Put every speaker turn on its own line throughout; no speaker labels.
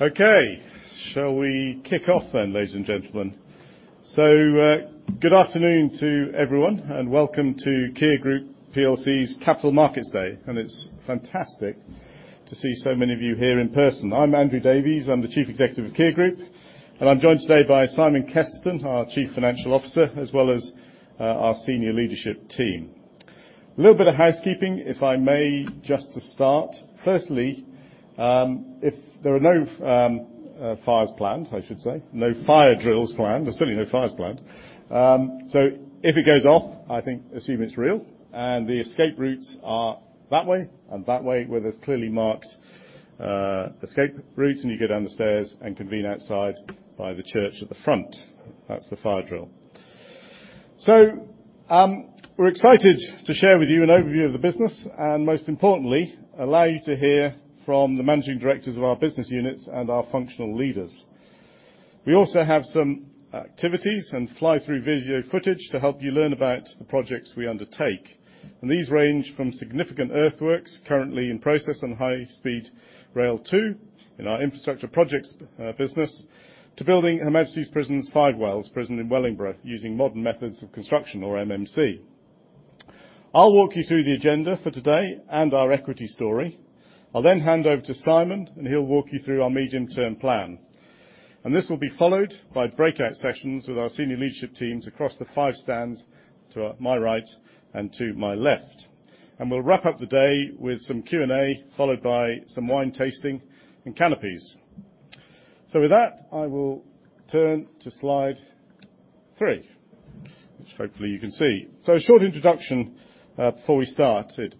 Okay. Shall we kick off then, ladies and gentlemen? Good afternoon to everyone, and welcome to Kier Group plc's Capital Markets Day. It's fantastic to see so many of you here in person. I'm Andrew Davies, I'm the Chief Executive of Kier Group, and I'm joined today by Simon Kesterton, our Chief Financial Officer, as well as our senior leadership team. Little bit of housekeeping, if I may, just to start. Firstly, if there are no fires planned, I should say. No fire drills planned. There's certainly no fires planned. So if it goes off, I think assume it's real. The escape routes are that way and that way, where there's clearly marked escape route, and you go down the stairs and convene outside by the church at the front. That's the fire drill. We're excited to share with you an overview of the business and, most importantly, allow you to hear from the managing directors of our business units and our functional leaders. We also have some activities and fly-through video footage to help you learn about the projects we undertake. These range from significant earthworks currently in process on High Speed 2 in our Infrastructure Projects business, to building Her Majesty's Prison Five Wells prison in Wellingborough using modern methods of construction, or MMC. I'll walk you through the agenda for today and our equity story. I'll then hand over to Simon, and he'll walk you through our medium-term plan. This will be followed by breakout sessions with our senior leadership teams across the five stands to my right and to my left. We'll wrap up the day with some Q&A, followed by some wine tasting and canapés. With that, I will turn to slide 3, which hopefully you can see. A short introduction before we start it.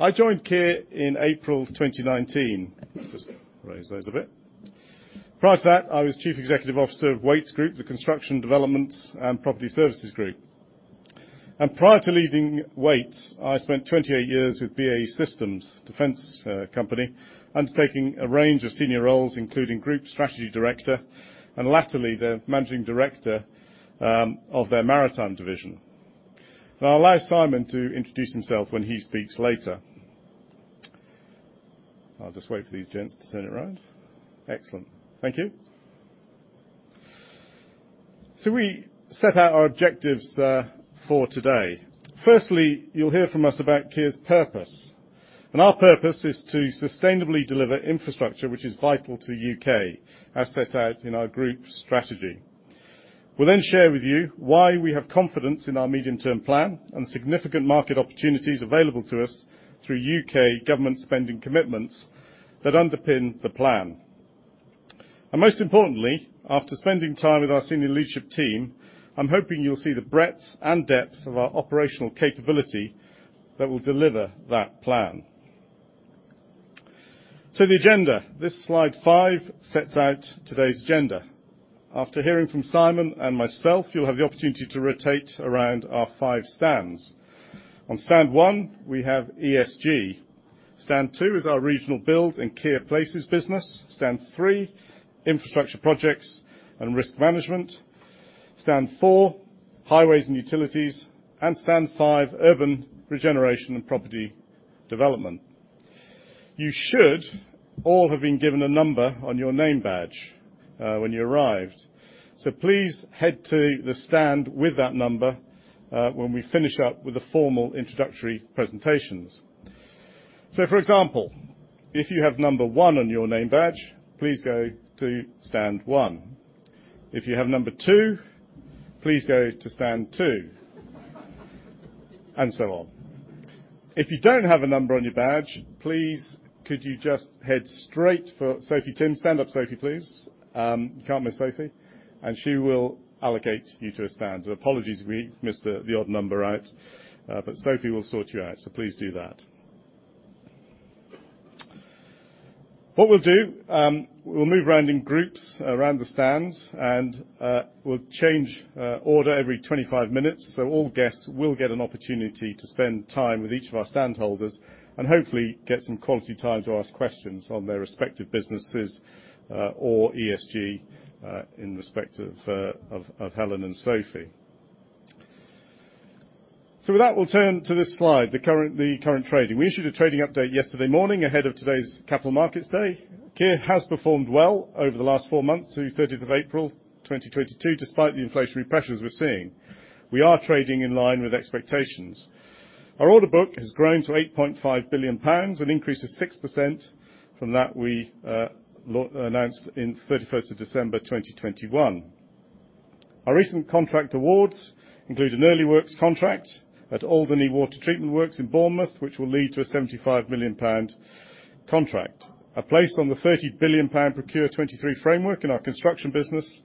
I joined Kier in April 2019. Just raise those a bit. Prior to that, I was Chief Executive Officer of Wates Group, the construction, development, and property services group. Prior to leaving Wates, I spent 28 years with BAE Systems defence company, undertaking a range of senior roles, including Group Strategy Director and latterly their Managing Director of their maritime division. I'll allow Simon to introduce himself when he speaks later. I'll just wait for these gents to turn it around. Excellent. Thank you. We set out our objectives for today. Firstly, you'll hear from us about Kier's purpose, and our purpose is to sustainably deliver infrastructure which is vital to U.K., as set out in our group strategy. We'll then share with you why we have confidence in our medium-term plan and the significant market opportunities available to us through U.K. government spending commitments that underpin the plan. Most importantly, after spending time with our senior leadership team, I'm hoping you'll see the breadth and depth of our operational capability that will deliver that plan. The agenda. This slide five sets out today's agenda. After hearing from Simon and myself, you'll have the opportunity to rotate around our five stands. On stand one, we have ESG. Stand two is our Regional Build and Kier Places business. Stand three, Infrastructure Projects and risk management. Stand four, Highways and Utilities. Stand five, urban regeneration and property development. You should all have been given a number on your name badge when you arrived, so please head to the stand with that number when we finish up with the formal introductory presentations. For example, if you have number one on your name badge, please go to stand one. If you have number two, please go to stand two. And so on. If you don't have a number on your badge, please could you just head straight for Sophie Timms. Stand up, Sophie, please. You can't miss Sophie. She will allocate you to a stand. Apologies if we missed the odd number out, but Sophie will sort you out, so please do that. What we'll do, we'll move around in groups around the stands and, we'll change order every 25 minutes, so all guests will get an opportunity to spend time with each of our stand holders and hopefully get some quality time to ask questions on their respective businesses, or ESG, in respect of Helen and Sophie. With that, we'll turn to this slide, the current trading. We issued a trading update yesterday morning ahead of today's Capital Markets Day. Kier has performed well over the last four months through 30 April 2022, despite the inflationary pressures we're seeing. We are trading in line with expectations. Our order book has grown to 8.5 billion pounds, an increase of 6% from that we announced in 31 December 2021. Our recent contract awards include an early works contract at Alderney Water Treatment Works in Bournemouth, which will lead to a 75 million pound contract, a place on the 30 billion pound ProCure23 framework in our construction business,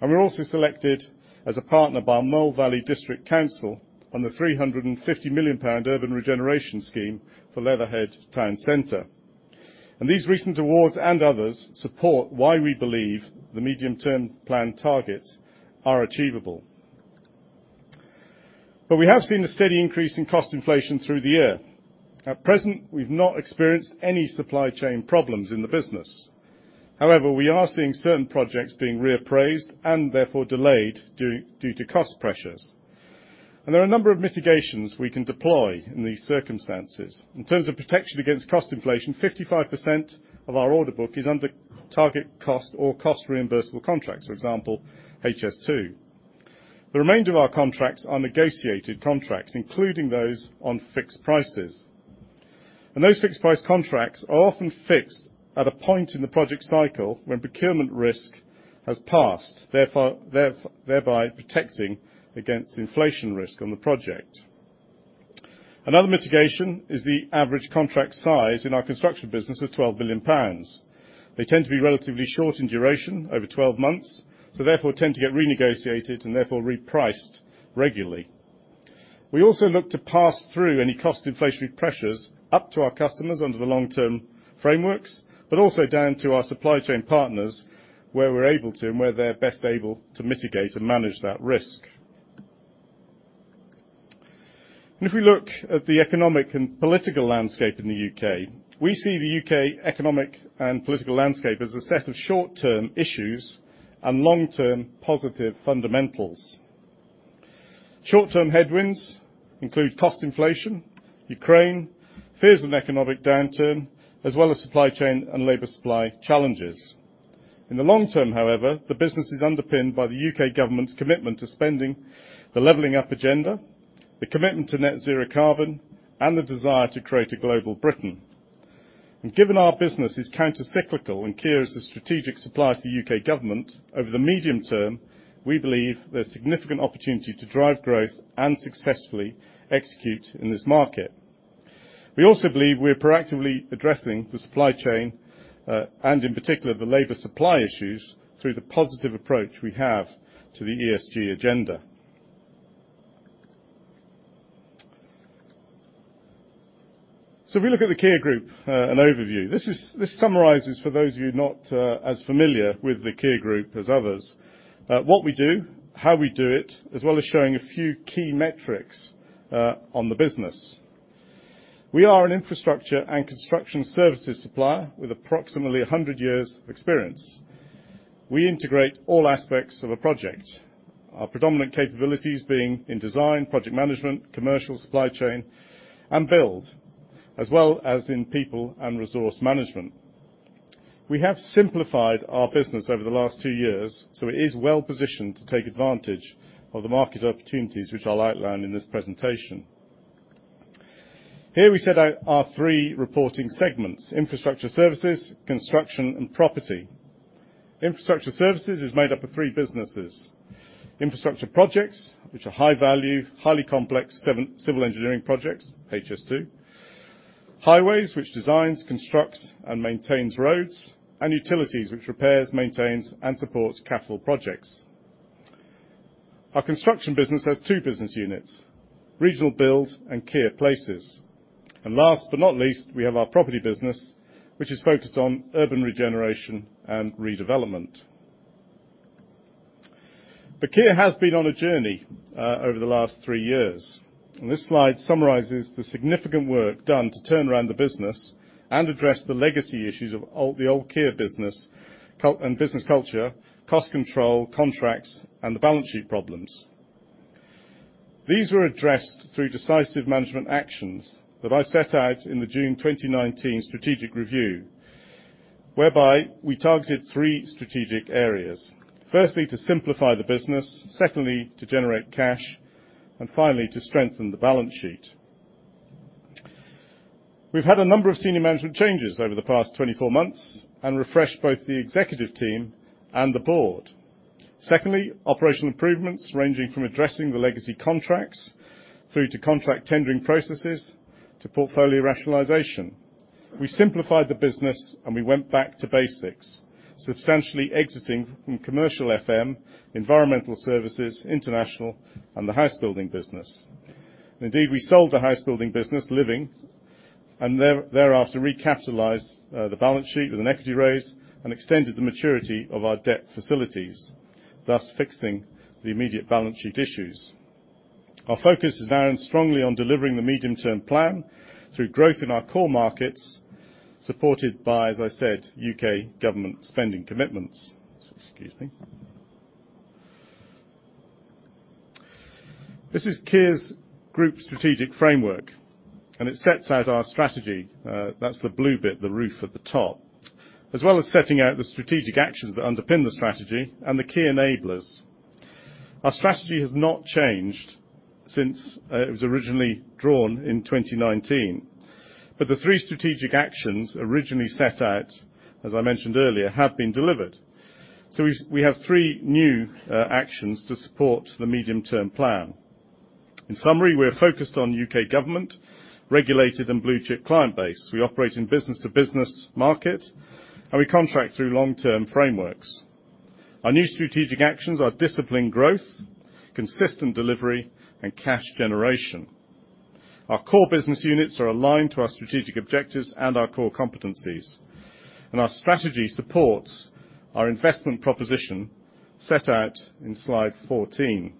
and we're also selected as a partner by Mole Valley District Council on the 350 million pound urban regeneration scheme for Leatherhead town centre. These recent awards and others support why we believe the medium-term plan targets are achievable. We have seen a steady increase in cost inflation through the year. At present, we've not experienced any supply chain problems in the business. However, we are seeing certain projects being reappraised and therefore delayed due to cost pressures. There are a number of mitigations we can deploy in these circumstances. In terms of protection against cost inflation, 55% of our order book is under target cost or cost-reimbursable contracts, for example, HS2. The remainder of our contracts are negotiated contracts, including those on fixed prices. Those fixed price contracts are often fixed at a point in the project cycle when procurement risk has passed, thereby protecting against inflation risk on the project. Another mitigation is the average contract size in our construction business of 12 million pounds. They tend to be relatively short in duration, over 12 months, so therefore tend to get renegotiated and therefore repriced regularly. We also look to pass through any cost inflationary pressures up to our customers under the long-term frameworks, but also down to our supply chain partners where we're able to and where they're best able to mitigate and manage that risk. If we look at the economic and political landscape in the U.K., we see the U.K. economic and political landscape as a set of short-term issues and long-term positive fundamentals. Short-term headwinds include cost inflation, Ukraine, fears of an economic downturn, as well as supply chain and labour supply challenges. In the long term, however, the business is underpinned by the U.K. government's commitment to spending the Levelling Up agenda, the commitment to net zero carbon, and the desire to create a global Britain. Given our business is countercyclical and Kier is a strategic supplier to the U.K. government, over the medium term, we believe there's significant opportunity to drive growth and successfully execute in this market. We also believe we are proactively addressing the supply chain, and in particular, the labour supply issues through the positive approach we have to the ESG agenda. If we look at the Kier Group, an overview. This summarizes, for those of you not as familiar with the Kier Group as others, what we do, how we do it, as well as showing a few key metrics on the business. We are an infrastructure and construction services supplier with approximately 100 years of experience. We integrate all aspects of a project, our predominant capabilities being in design, project management, commercial, supply chain, and build, as well as in people and resource management. We have simplified our business over the last two years, so it is well-positioned to take advantage of the market opportunities which I'll outline in this presentation. Here we set out our three reporting segments, Infrastructure Services, Construction, and Property. Infrastructure Services is made up of three businesses. Infrastructure Projects, which are high-value, highly complex civil engineering projects, HS2. Highways, which designs, constructs, and maintains roads. Utilities, which repairs, maintains, and supports capital projects. Our Construction business has two business units, Regional Build and Kier Places. Last but not least, we have our Property business, which is focused on urban regeneration and redevelopment. Kier has been on a journey over the last three years, and this slide summarizes the significant work done to turn around the business and address the legacy issues of the old Kier business culture, cost control, contracts, and the balance sheet problems. These were addressed through decisive management actions that I set out in the June 2019 strategic review, whereby we targeted three strategic areas. Firstly, to simplify the business. Secondly, to generate cash. Finally, to strengthen the balance sheet. We've had a number of senior management changes over the past 24 months and refreshed both the executive team and the board. Secondly, operational improvements ranging from addressing the legacy contracts through to contract tendering processes to portfolio rationalization. We simplified the business, and we went back to basics, substantially exiting from commercial FM, Environmental Services, International, and the housebuilding business. Indeed, we sold the housebuilding business, Living, and thereafter recapitalized the balance sheet with an equity raise and extended the maturity of our debt facilities, thus fixing the immediate balance sheet issues. Our focus is now strongly on delivering the medium-term plan through growth in our core markets, supported by, as I said, U.K. government spending commitments. Excuse me. This is Kier Group's strategic framework, and it sets out our strategy. That's the blue bit, the roof at the top. As well as setting out the strategic actions that underpin the strategy and the key enablers. Our strategy has not changed since it was originally drawn in 2019, but the three strategic actions originally set out, as I mentioned earlier, have been delivered. We have three new actions to support the medium-term plan. In summary, we are focused on U.K. government, regulated and blue-chip client base. We operate in business-to-business market, and we contract through long-term frameworks. Our new strategic actions are disciplined growth, consistent delivery, and cash generation. Our core business units are aligned to our strategic objectives and our core competencies. Our strategy supports our investment proposition set out in slide 14.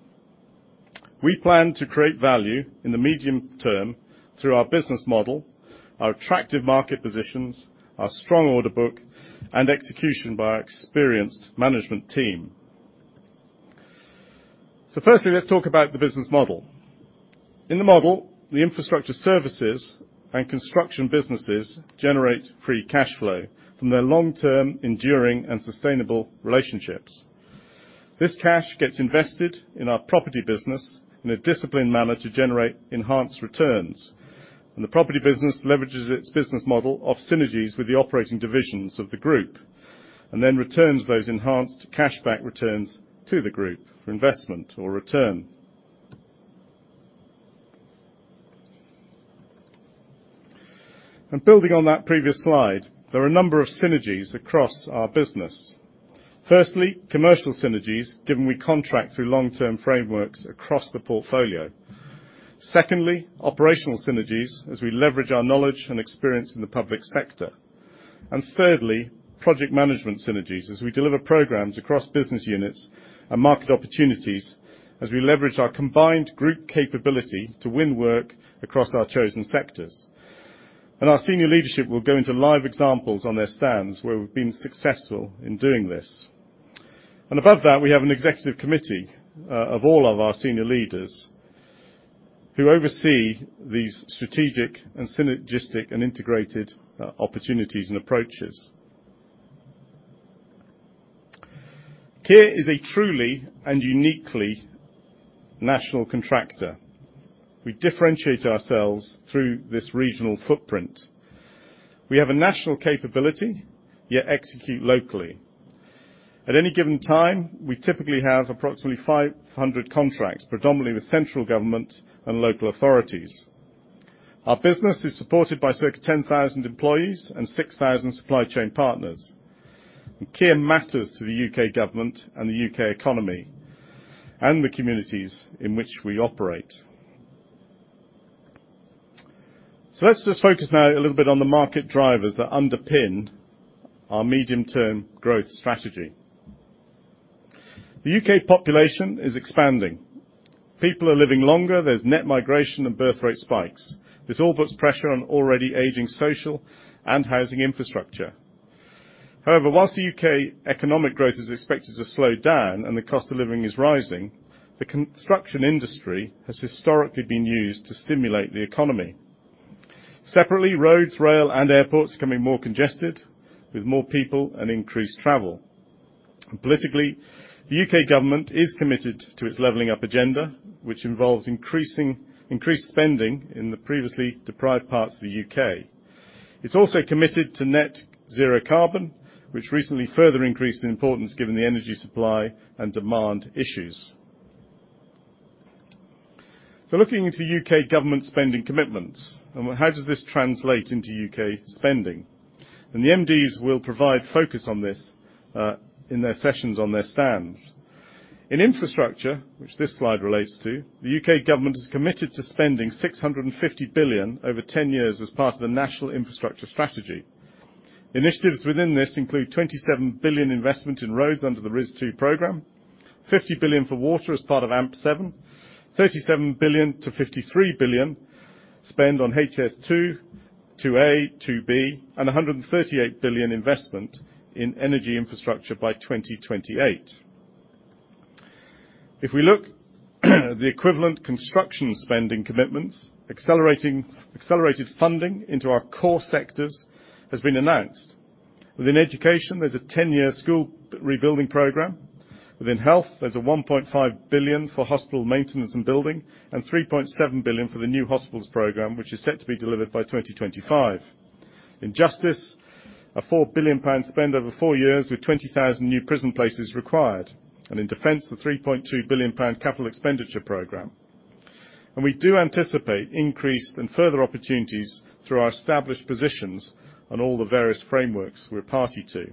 We plan to create value in the medium term through our business model, our attractive market positions, our strong order book, and execution by our experienced management team. Firstly, let's talk about the business model. In the model, the Infrastructure Services and Construction businesses generate free cash flow from their long-term, enduring, and sustainable relationships. This cash gets invested in our Property business in a disciplined manner to generate enhanced returns. The Property business leverages its business model of synergies with the operating divisions of the group, and then returns those enhanced cash back returns to the group for investment or return. Building on that previous slide, there are a number of synergies across our business. Firstly, commercial synergies, given we contract through long-term frameworks across the portfolio. Secondly, operational synergies, as we leverage our knowledge and experience in the public sector. Thirdly, project management synergies, as we deliver programmes across business units and market opportunities, as we leverage our combined group capability to win work across our chosen sectors. Our senior leadership will go into live examples on their stands where we've been successful in doing this. Above that, we have an executive committee of all of our senior leaders who oversee these strategic and synergistic and integrated opportunities and approaches. Kier is a truly and uniquely national contractor. We differentiate ourselves through this regional footprint. We have a national capability, yet execute locally. At any given time, we typically have approximately 500 contracts, predominantly with central government and local authorities. Our business is supported by circa 10,000 employees and 6,000 supply chain partners. Kier matters to the U.K. government and the U.K. economy and the communities in which we operate. Let's just focus now a little bit on the market drivers that underpin our medium-term growth strategy. The U.K. population is expanding. People are living longer. There's net migration and birth rate spikes. This all puts pressure on already aging social and housing infrastructure. However, while the U.K. economic growth is expected to slow down and the cost of living is rising, the construction industry has historically been used to stimulate the economy. Separately, roads, rail, and airports are becoming more congested with more people and increased travel. Politically, the U.K. government is committed to its Levelling Up agenda, which involves increased spending in the previously deprived parts of the U.K. It's also committed to net zero carbon, which recently further increased in importance given the energy supply and demand issues. Looking into U.K. government spending commitments, and how does this translate into U.K. spending? The MDs will provide focus on this in their sessions on their stands. In infrastructure, which this slide relates to, the U.K. government has committed to spending 650 billion over 10 years as part of the National Infrastructure Strategy. Initiatives within this include 27 billion investment in roads under the RIS2 programme, 50 billion for water as part of AMP7, 37 billion-53 billion spend on HS2 2A, 2B, and 138 billion investment in energy infrastructure by 2028. If we look at the equivalent construction spending commitments, accelerated funding into our core sectors has been announced. Within education, there's a 10-year School Rebuilding Programme. Within health, there's a 1.5 billion for hospital maintenance and building, and 3.7 billion for the New Hospital Programme, which is set to be delivered by 2025. In justice, a 4 billion pound spend over four years with 20,000 new prison places required. In defence, the 3.2 billion pound capital expenditure programme. We do anticipate increase and further opportunities through our established positions on all the various frameworks we're party to.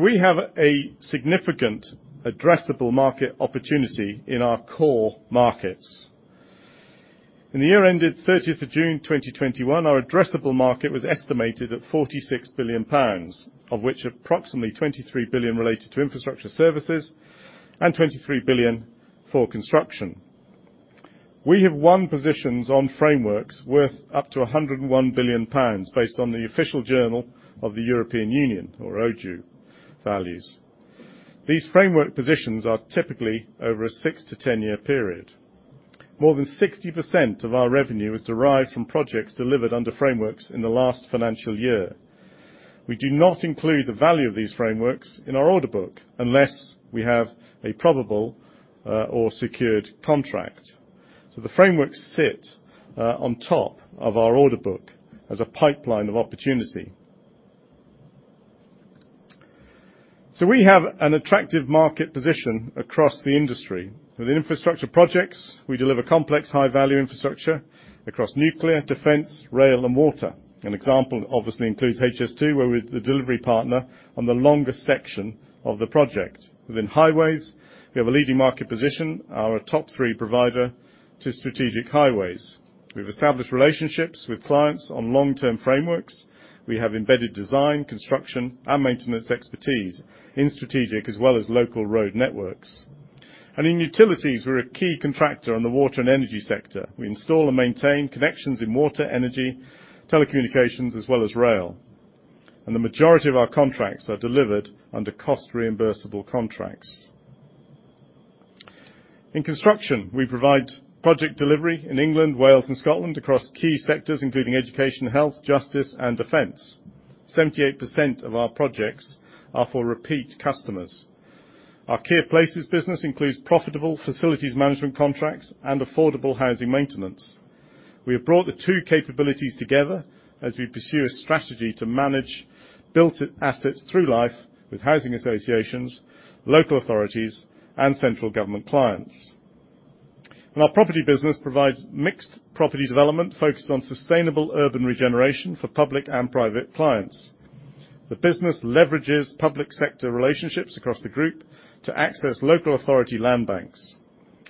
We have a significant addressable market opportunity in our core markets. In the year ended 30th of June 2021, our addressable market was estimated at 46 billion pounds, of which approximately 23 billion related to Infrastructure Services and 23 billion for Construction. We have won positions on frameworks worth up to 101 billion pounds based on the Official Journal of the European Union, or OJEU values. These framework positions are typically over a six- to 10-year period. More than 60% of our revenue is derived from projects delivered under frameworks in the last financial year. We do not include the value of these frameworks in our order book unless we have a probable, or secured contract. The frameworks sit on top of our order book as a pipeline of opportunity. We have an attractive market position across the industry. Within Infrastructure Projects, we deliver complex, high-value infrastructure across nuclear, defence, rail, and water. An example obviously includes HS2, where we're the delivery partner on the longest section of the project. Within Highways, we have a leading market position. We are a top three provider to strategic highways. We've established relationships with clients on long-term frameworks. We have embedded design, construction, and maintenance expertise in strategic as well as local road networks. In Utilities, we're a key contractor on the water and energy sector. We install and maintain connections in water, energy, telecommunications, as well as rail. The majority of our contracts are delivered under cost-reimbursable contracts. In Construction, we provide project delivery in England, Wales, and Scotland across key sectors, including education, health, justice, and defence. 78% of our projects are for repeat customers. Our Kier Places business includes profitable facilities management contracts and affordable housing maintenance. We have brought the two capabilities together as we pursue a strategy to manage built assets through life with housing associations, local authorities, and central government clients. Our Property business provides mixed property development focused on sustainable urban regeneration for public and private clients. The business leverages public sector relationships across the group to access local authority land banks,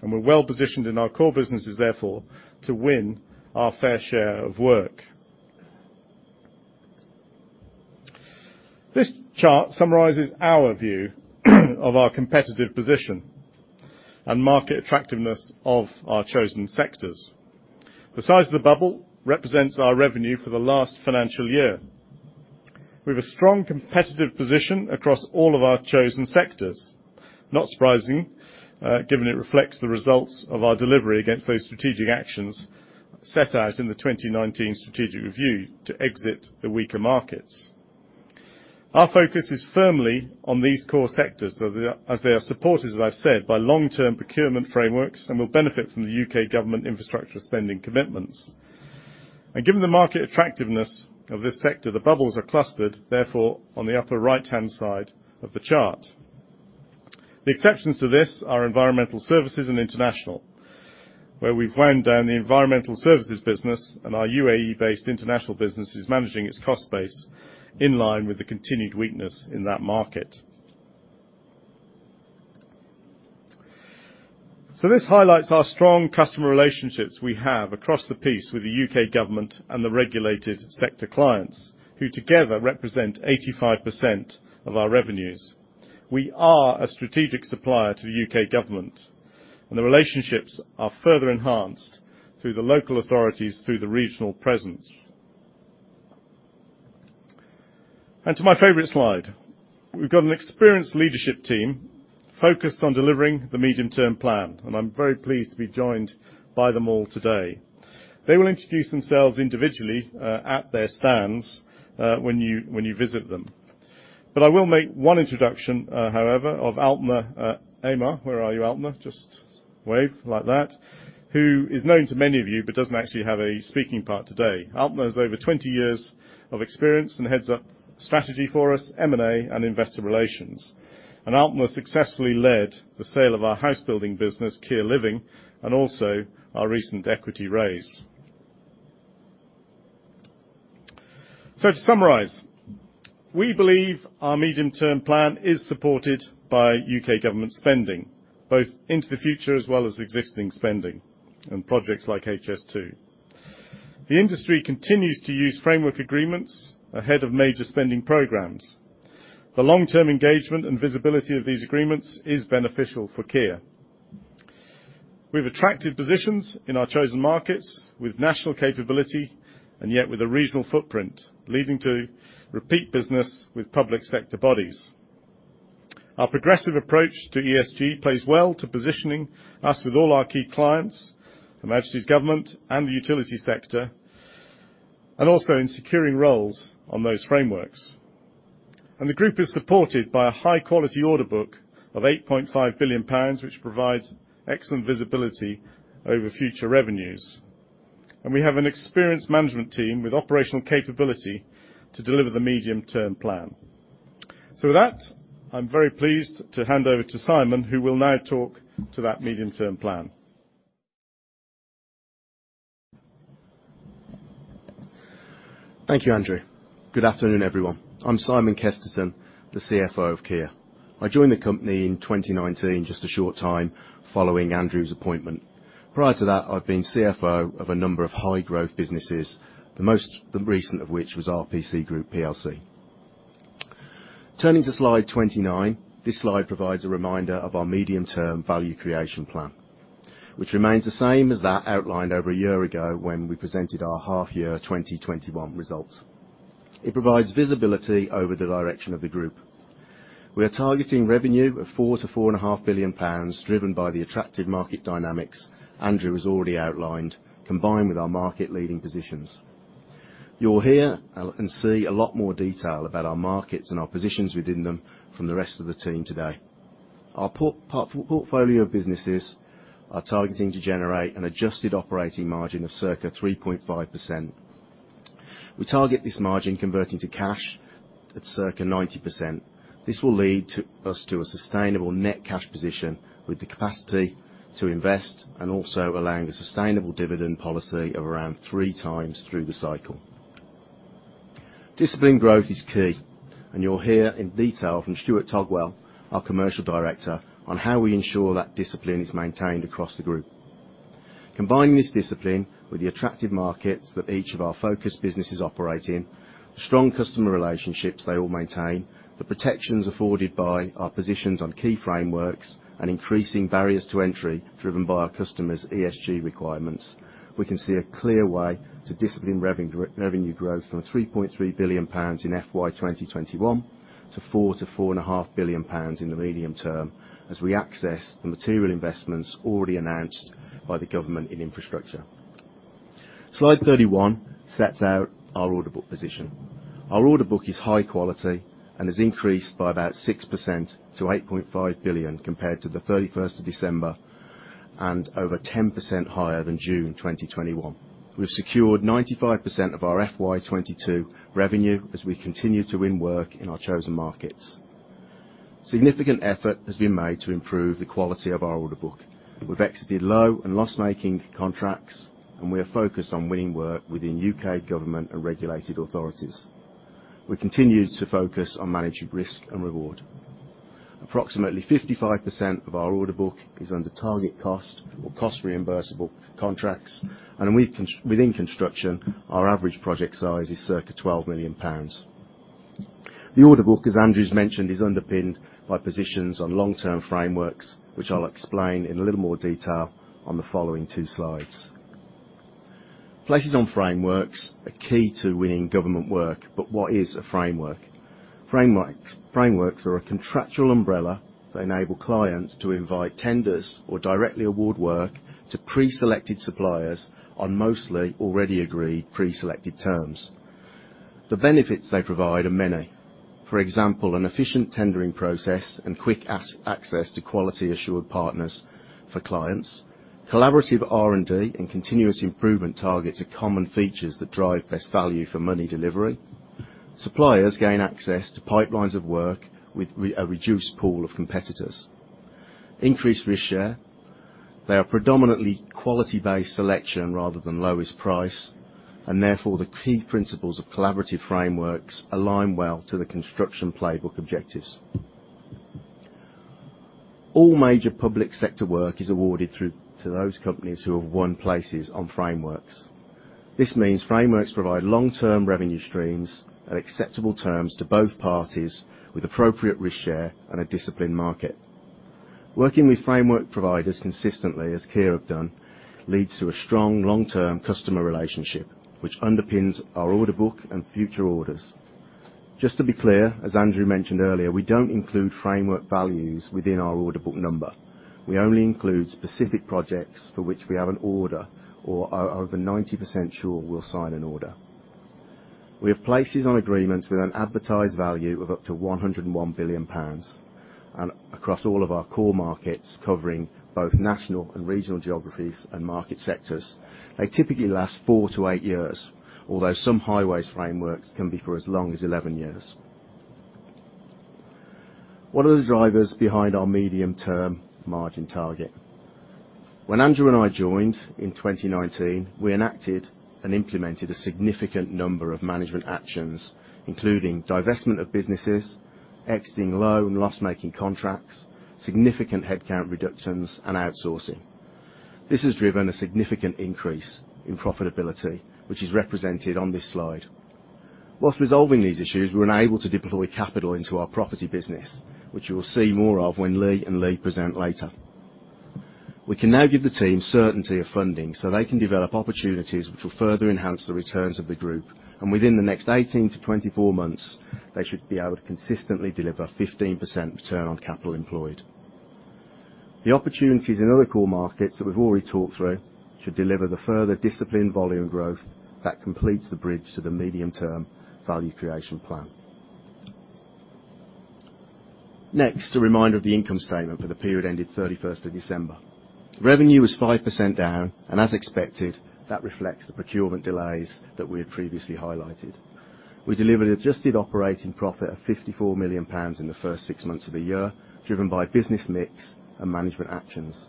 and we're well-positioned in our core businesses therefore to win our fair share of work. This chart summarizes our view of our competitive position and market attractiveness of our chosen sectors. The size of the bubble represents our revenue for the last financial year. We've a strong competitive position across all of our chosen sectors. Not surprising, given it reflects the results of our delivery against those strategic actions set out in the 2019 strategic review to exit the weaker markets. Our focus is firmly on these core sectors as they are supported, as I've said, by long-term procurement frameworks and will benefit from the U.K. government infrastructure spending commitments. Given the market attractiveness of this sector, the bubbles are clustered therefore on the upper right-hand side of the chart. The exceptions to this are Environmental Services and International, where we've wound down the environmental services business and our UAE-based international business is managing its cost base in line with the continued weakness in that market. This highlights our strong customer relationships we have across the piece with the U.K. government and the regulated sector clients, who together represent 85% of our revenues. We are a strategic supplier to the U.K. government, and the relationships are further enhanced through the local authorities through the regional presence. To my favorite slide. We've got an experienced leadership team focused on delivering the medium-term plan, and I'm very pleased to be joined by them all today. They will introduce themselves individually at their stands when you visit them. I will make one introduction, however, of Amer. Where are you, Amer? Just wave like that. Who is known to many of you, but doesn't actually have a speaking part today. Amer has over 20 years of experience and heads up strategy for us, M&A, and investor relations. Amer successfully led the sale of our housebuilding business, Kier Living, and also our recent equity raise. To summarize, we believe our medium-term plan is supported by U.K. government spending, both into the future as well as existing spending and projects like HS2. The industry continues to use framework agreements ahead of major spending programmes. The long-term engagement and visibility of these agreements is beneficial for Kier. We've attractive positions in our chosen markets with national capability and yet with a regional footprint, leading to repeat business with public sector bodies. Our progressive approach to ESG plays well to positioning us with all our key clients, Her Majesty's Government and the utility sector, and also in securing roles on those frameworks. The group is supported by a high-quality order book of 8.5 billion pounds, which provides excellent visibility over future revenues. We have an experienced management team with operational capability to deliver the medium-term plan. With that, I'm very pleased to hand over to Simon, who will now talk to that medium-term plan.
Thank you, Andrew. Good afternoon, everyone. I'm Simon Kesterton, the CFO of Kier. I joined the company in 2019, just a short time following Andrew's appointment. Prior to that, I'd been CFO of a number of high-growth businesses, the most recent of which was RPC Group plc. Turning to slide 29, this slide provides a reminder of our medium-term value creation plan, which remains the same as that outlined over a year ago when we presented our half year 2021 results. It provides visibility over the direction of the group. We are targeting revenue of 4 billion-4.5 billion pounds, driven by the attractive market dynamics Andrew has already outlined, combined with our market-leading positions. You'll hear and see a lot more detail about our markets and our positions within them from the rest of the team today. Our portfolio of businesses are targeting to generate an adjusted operating margin of circa 3.5%. We target this margin converting to cash at circa 90%. This will lead us to a sustainable net cash position with the capacity to invest and also allowing a sustainable dividend policy of around 3 times through the cycle. Disciplined growth is key, and you'll hear in detail from Stuart Togwell, our Commercial Director, on how we ensure that discipline is maintained across the group. Combining this discipline with the attractive markets that each of our focus businesses operate in, the strong customer relationships they all maintain, the protections afforded by our positions on key frameworks and increasing barriers to entry driven by our customers' ESG requirements, we can see a clear way to disciplined revenue growth from 3.3 billion pounds in FY 2021 to 4 billion-4.5 billion pounds in the medium term as we access the material investments already announced by the government in infrastructure. Slide 31 sets out our order book position. Our order book is high quality and has increased by about 6% to 8.5 billion compared to December 31 and over 10% higher than June 2021. We've secured 95% of our FY 2022 revenue as we continue to win work in our chosen markets. Significant effort has been made to improve the quality of our order book. We've exited low and loss-making contracts, and we are focused on winning work within U.K. government and regulated authorities. We continue to focus on managing risk and reward. Approximately 55% of our order book is under target cost or cost-reimbursable contracts, within Construction, our average project size is circa 12 million pounds. The order book, as Andrew's mentioned, is underpinned by positions on long-term frameworks, which I'll explain in a little more detail on the following two slides. Places on frameworks are key to winning government work, but what is a framework? Frameworks are a contractual umbrella that enable clients to invite tenders or directly award work to preselected suppliers on mostly already agreed preselected terms. The benefits they provide are many. For example, an efficient tendering process and quick access to quality assured partners for clients. Collabourative R&D and continuous improvement targets are common features that drive best value for money delivery. Suppliers gain access to pipelines of work with a reduced pool of competitors. Increased risk share. They are predominantly quality-based selection rather than lowest price, and therefore the key principles of collabourative frameworks align well to the Construction Playbook objectives. All major public sector work is awarded to those companies who have won places on frameworks. This means frameworks provide long-term revenue streams at acceptable terms to both parties with appropriate risk share and a disciplined market. Working with framework providers consistently, as Kier have done, leads to a strong long-term customer relationship which underpins our order book and future orders. Just to be clear, as Andrew mentioned earlier, we don't include framework values within our order book number. We only include specific projects for which we have an order or are either 90% sure we'll sign an order. We have places on agreements with an advertised value of up to 101 billion pounds and across all of our core markets, covering both national and regional geographies and market sectors. They typically last 4-8 years, although some highways frameworks can be for as long as 11 years. What are the drivers behind our medium-term margin target? When Andrew and I joined in 2019, we enacted and implemented a significant number of management actions, including divestment of businesses, exiting low and loss-making contracts, significant headcount reductions, and outsourcing. This has driven a significant increase in profitability, which is represented on this slide. While resolving these issues, we were unable to deploy capital into our Property business, which you will see more of when Lee and Leigh present later. We can now give the team certainty of funding so they can develop opportunities which will further enhance the returns of the group, and within the next 18-24 months, they should be able to consistently deliver 15% return on capital employed. The opportunities in other core markets that we've already talked through should deliver the further disciplined volume growth that completes the bridge to the medium-term value creation plan. Next, a reminder of the income statement for the period ending 31st of December. Revenue was 5% down, and as expected, that reflects the procurement delays that we had previously highlighted. We delivered adjusted operating profit of 54 million pounds in the first six months of the year, driven by business mix and management actions.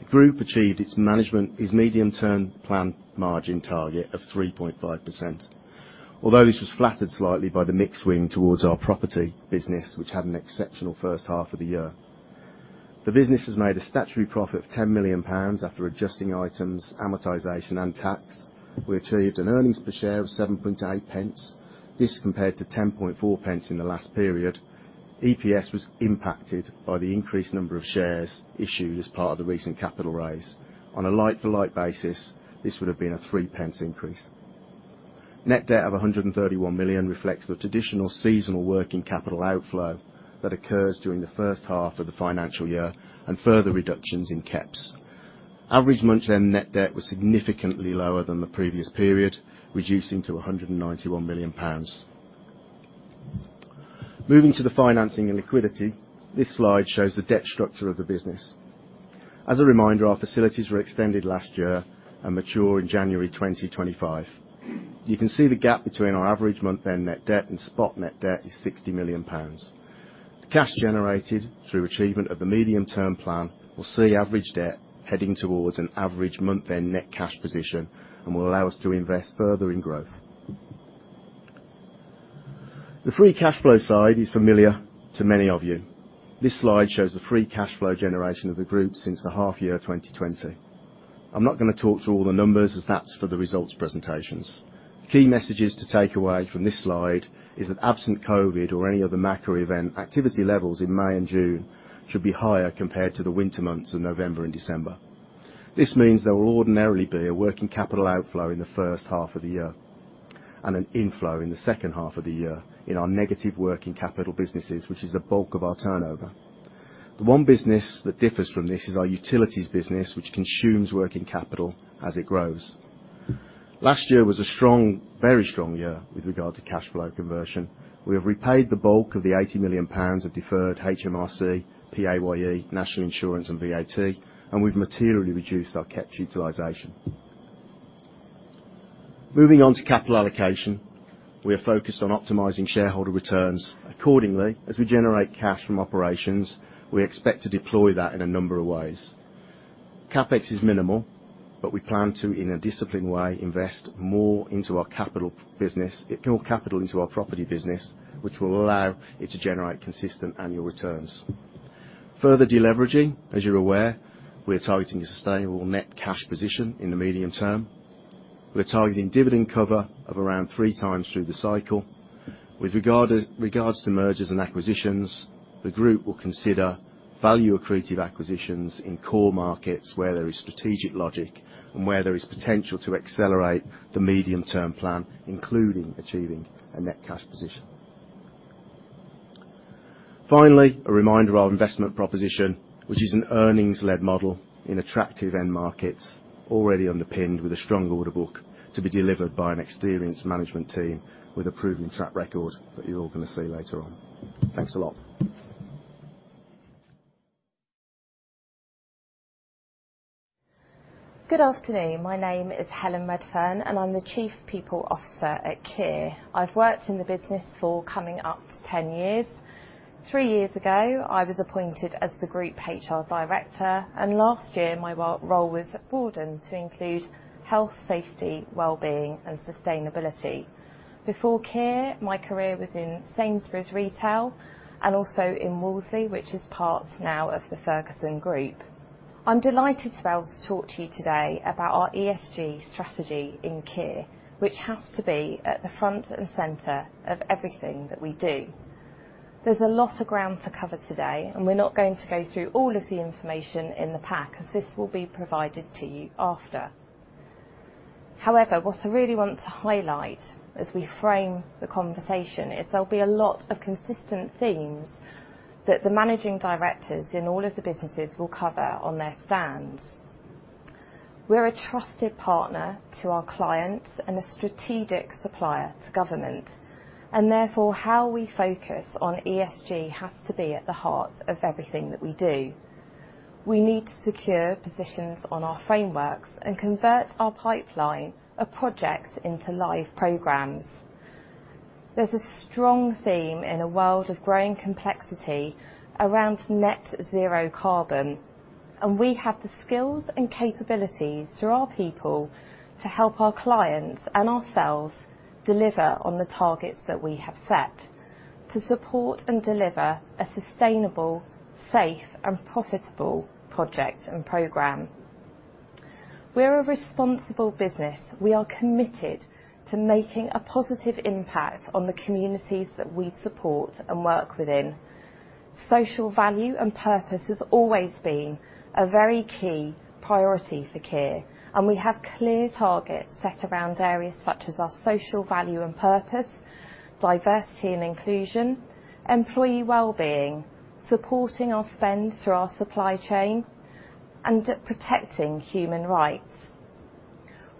The group achieved its medium-term plan margin target of 3.5%, although this was flattered slightly by the mix swing towards our Property business, which had an exceptional first half of the year. The business has made a statutory profit of 10 million pounds after adjusting items, amortization, and tax. We achieved an earnings per share of 0.078. This compared to 0.104 in the last period. EPS was impacted by the increased number of shares issued as part of the recent capital raise. On a like-for-like basis, this would have been a 0.03 increase. Net debt of 131 million reflects the traditional seasonal working capital outflow that occurs during the first half of the financial year and further reductions in CapEx. Average month-end net debt was significantly lower than the previous period, reducing to GBP 191 million. Moving to the financing and liquidity, this slide shows the debt structure of the business. As a reminder, our facilities were extended last year and mature in January 2025. You can see the gap between our average month-end net debt and spot net debt is 60 million pounds. Cash generated through achievement of the medium term plan will see average debt heading towards an average month-end net cash position and will allow us to invest further in growth. The free cash flow side is familiar to many of you. This slide shows the free cash flow generation of the group since the half year 2020. I'm not gonna talk through all the numbers as that's for the results presentations. Key messages to take away from this slide is that absent COVID or any other macro event, activity levels in May and June should be higher compared to the winter months of November and December. This means there will ordinarily be a working capital outflow in the first half of the year and an inflow in the second half of the year in our negative working capital businesses, which is a bulk of our turnover. The one business that differs from this is our Utilities business, which consumes working capital as it grows. Last year was a strong, very strong year with regard to cash flow conversion. We have repaid the bulk of the 80 million pounds of deferred HMRC, PAYE, National Insurance, and VAT, and we've materially reduced our KEPS utilization. Moving on to capital allocation. We are focused on optimizing shareholder returns. Accordingly, as we generate cash from operations, we expect to deploy that in a number of ways. CapEx is minimal, but we plan to, in a disciplined way, invest more into our capital business, more capital into our Property business, which will allow it to generate consistent annual returns. Further deleveraging, as you're aware, we are targeting a sustainable net cash position in the medium term. We're targeting dividend cover of around three times through the cycle. With regards to mergers and acquisitions, the group will consider value accretive acquisitions in core markets where there is strategic logic and where there is potential to accelerate the medium-term plan, including achieving a net cash position. Finally, a reminder of our investment proposition, which is an earnings-led model in attractive end markets already underpinned with a strong order book to be delivered by an experienced management team with a proven track record that you're all gonna see later on. Thanks a lot.
Good afternoon. My name is Helen Redfern, and I'm the Chief People Officer at Kier. I've worked in the business for coming up to 10 years. Three years ago, I was appointed as the group HR director, and last year my role was broadened to include health, safety, well-being, and sustainability. Before Kier, my career was in Sainsbury's retail and also in Wolseley, which is now part of the Ferguson Group. I'm delighted to be able to talk to you today about our ESG strategy in Kier, which has to be at the front and centre of everything that we do. There's a lot of ground to cover today, and we're not going to go through all of the information in the pack, as this will be provided to you after. However, what I really want to highlight as we frame the conversation is there'll be a lot of consistent themes that the managing directors in all of the businesses will cover on their stand. We're a trusted partner to our clients and a strategic supplier to government, and therefore, how we focus on ESG has to be at the heart of everything that we do. We need to secure positions on our frameworks and convert our pipeline of projects into live programs. There's a strong theme in a world of growing complexity around net zero carbon, and we have the skills and capabilities through our people to help our clients and ourselves deliver on the targets that we have set to support and deliver a sustainable, safe, and profitable project and program. We're a responsible business. We are committed to making a positive impact on the communities that we support and work within. Social value and purpose has always been a very key priority for Kier, and we have clear targets set around areas such as our social value and purpose, diversity and inclusion, employee well-being, supporting our spend through our supply chain, and protecting human rights.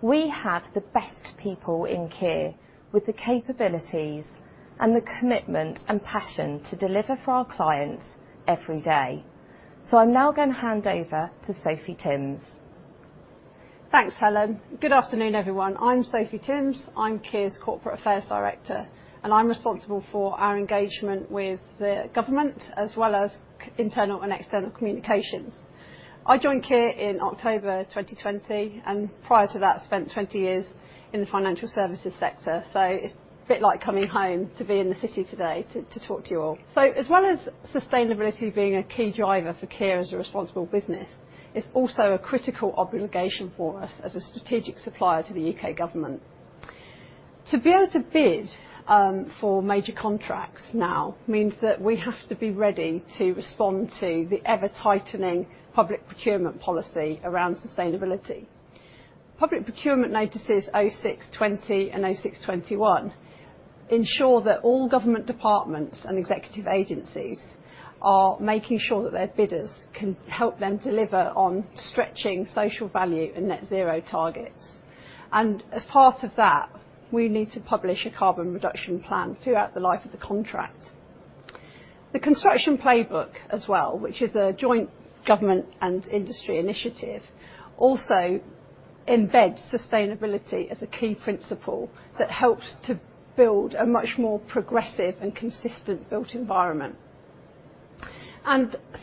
We have the best people in Kier with the capabilities and the commitment and passion to deliver for our clients every day. I'm now gonna hand over to Sophie Timms.
Thanks, Helen. Good afternoon, everyone. I'm Sophie Timms. I'm Kier's corporate affairs director, and I'm responsible for our engagement with the government as well as internal and external communications. I joined Kier in October 2020, and prior to that, spent 20 years in the financial services sector. It's a bit like coming home to be in the city today to talk to you all. As well as sustainability being a key driver for Kier as a responsible business, it's also a critical obligation for us as a strategic supplier to the U.K. government. To be able to bid for major contracts now means that we have to be ready to respond to the ever-tightening public procurement policy around sustainability. PPN 06/20 and PPN 06/21 ensure that all government departments and executive agencies are making sure that their bidders can help them deliver on stretching social value and net zero targets. As part of that, we need to publish a carbon reduction plan throughout the life of the contract. The Construction Playbook as well, which is a joint government and industry initiative, also embeds sustainability as a key principle that helps to build a much more progressive and consistent built environment.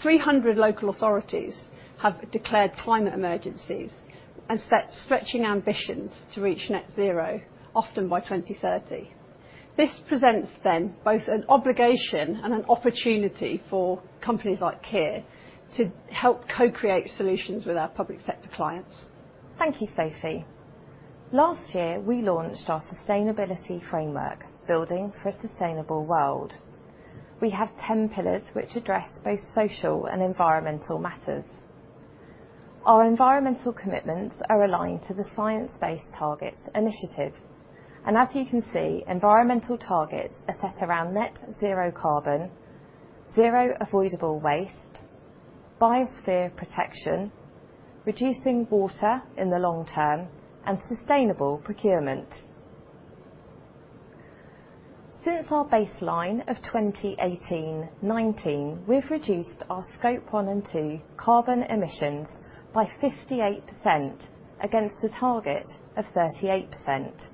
300 local authorities have declared climate emergencies and set stretching ambitions to reach net zero, often by 2030. This presents then both an obligation and an opportunity for companies like Kier to help co-create solutions with our public sector clients.
Thank you, Sophie. Last year, we launched our sustainability framework, Building for a Sustainable World. We have 10 pillars which address both social and environmental matters. Our environmental commitments are aligned to the Science Based Targets initiative. As you can see, environmental targets are set around net zero carbon, zero avoidable waste, biosphere protection, reducing water in the long term, and sustainable procurement. Since our baseline of 2018/19, we've reduced our scope one and two carbon emissions by 58% against a target of 38%.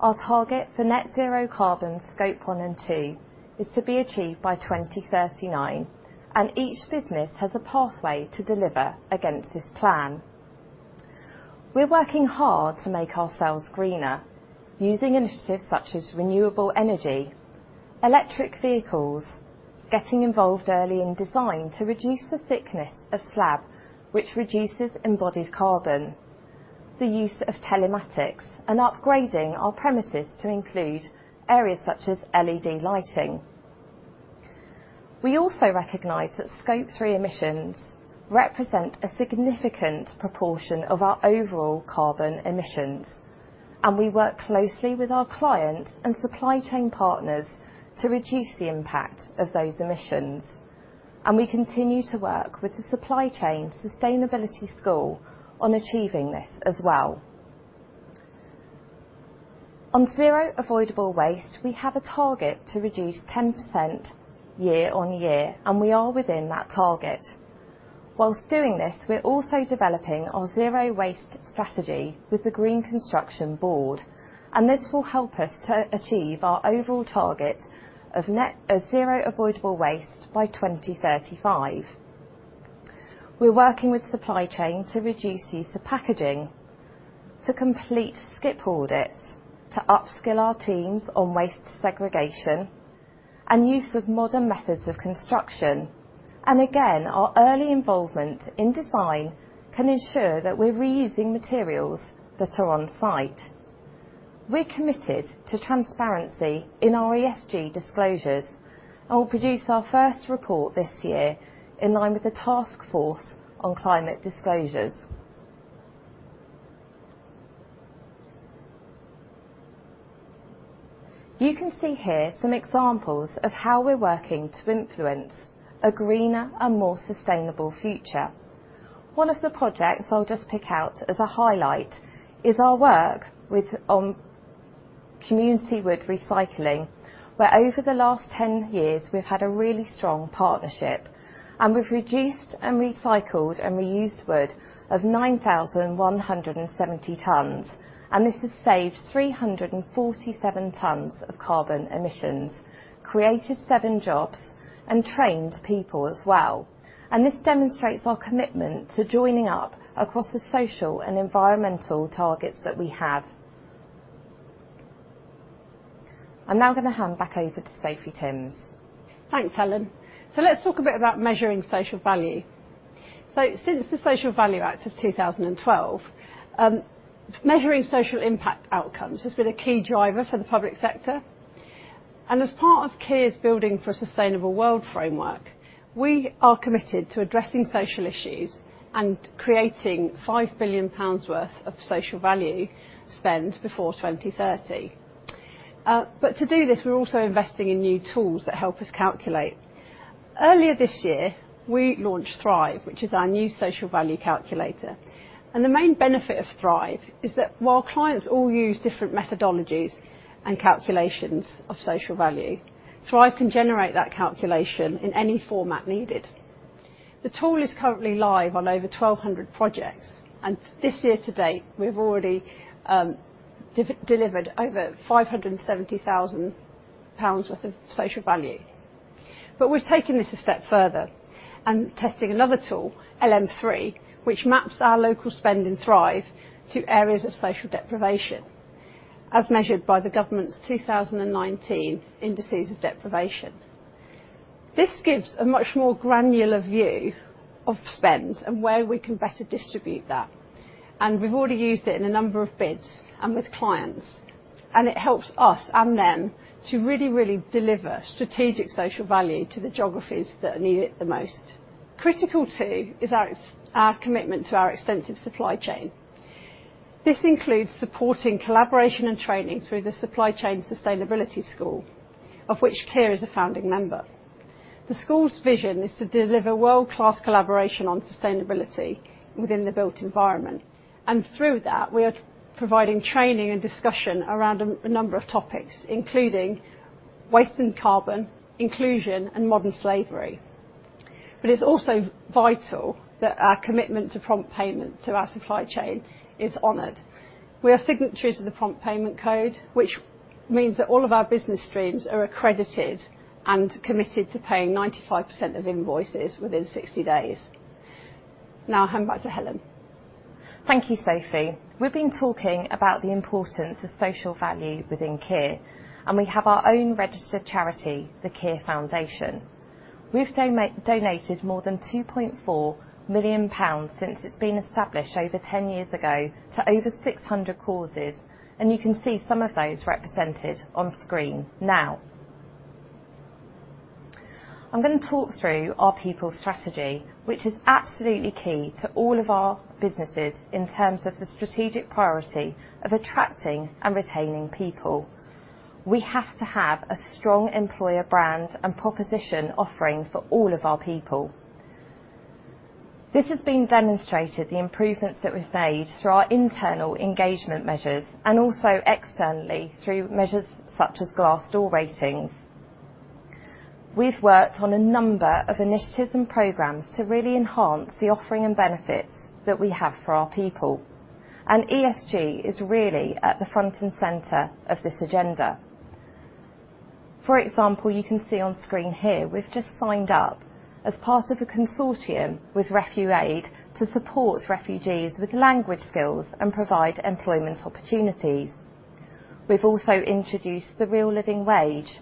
Our target for net zero carbon scope one and two is to be achieved by 2039, and each business has a pathway to deliver against this plan. We're working hard to make ourselves greener using initiatives such as renewable energy, electric vehicles, getting involved early in design to reduce the thickness of slab, which reduces embodied carbon, the use of telematics, and upgrading our premises to include areas such as LED lighting. We also recognize that scope three emissions represent a significant proportion of our overall carbon emissions, and we work closely with our clients and supply chain partners to reduce the impact of those emissions. We continue to work with the Supply Chain Sustainability School on achieving this as well. On zero avoidable waste, we have a target to reduce 10% year on year, and we are within that target. While doing this, we're also developing our zero-waste strategy with the Green Construction Board, and this will help us to achieve our overall target of zero avoidable waste by 2035. We're working with supply chain to reduce use of packaging, to complete skip audits, to upskill our teams on waste segregation, and use of modern methods of construction. Again, our early involvement in design can ensure that we're reusing materials that are on-site. We're committed to transparency in our ESG disclosures and will produce our first report this year in line with the Task Force on Climate Disclosures. You can see here some examples of how we're working to influence a greener and more sustainable future. One of the projects I'll just pick out as a highlight is our work with Community Wood Recycling, where over the last 10 years we've had a really strong partnership, and we've reduced and recycled and reused wood of 9,170 tons. This has saved 347 tons of carbon emissions, created seven jobs, and trained people as well. This demonstrates our commitment to joining up across the social and environmental targets that we have. I'm now gonna hand back over to Sophie Timms.
Thanks, Helen. Let's talk a bit about measuring social value. Since the Social Value Act of 2012, measuring social impact outcomes has been a key driver for the public sector. As part of Kier's Building for a Sustainable World framework, we are committed to addressing social issues and creating 5 billion pounds worth of social value spend before 2030. To do this, we're also investing in new tools that help us calculate. Earlier this year, we launched Thrive, which is our new social value calculator, and the main benefit of Thrive is that while clients all use different methodologies and calculations of social value, Thrive can generate that calculation in any format needed. The tool is currently live on over 1,200 projects, and this year to date, we've already delivered over 570,000 pounds worth of social value. We've taken this a step further and testing another tool, LM3, which maps our local spend in Thrive to areas of social deprivation, as measured by the government's 2019 Indices of Deprivation. This gives a much more granular view of spend and where we can better distribute that, and we've already used it in a number of bids and with clients, and it helps us and them to really deliver strategic social value to the geographies that need it the most. Critical too is our commitment to our extensive supply chain. This includes supporting collabouration and training through the Supply Chain Sustainability School, of which Kier is a founding member. The school's vision is to deliver world-class collabouration on sustainability within the built environment, and through that, we are providing training and discussion around a number of topics, including waste and carbon, inclusion, and modern slavery. It's also vital that our commitment to prompt payment to our supply chain is honored. We are signatories of the Prompt Payment Code, which means that all of our business streams are accredited and committed to paying 95% of invoices within 60 days. Now I'll hand back to Helen.
Thank you, Sophie. We've been talking about the importance of social value within Kier, and we have our own registered charity, the Kier Foundation. We've donated more than 2.4 million pounds since it's been established over 10 years ago to over 600 causes, and you can see some of those represented on screen now. I'm gonna talk through our people strategy, which is absolutely key to all of our businesses in terms of the strategic priority of attracting and retaining people. We have to have a strong employer brand and proposition offering for all of our people. This has been demonstrated, the improvements that we've made, through our internal engagement measures and also externally through measures such as Glassdoor ratings. We've worked on a number of initiatives and programmes to really enhance the offering and benefits that we have for our people, and ESG is really at the front and centre of this agenda. For example, you can see on screen here, we've just signed up as part of a consortium with RefuAid to support refugees with language skills and provide employment opportunities. We've also introduced the Real Living Wage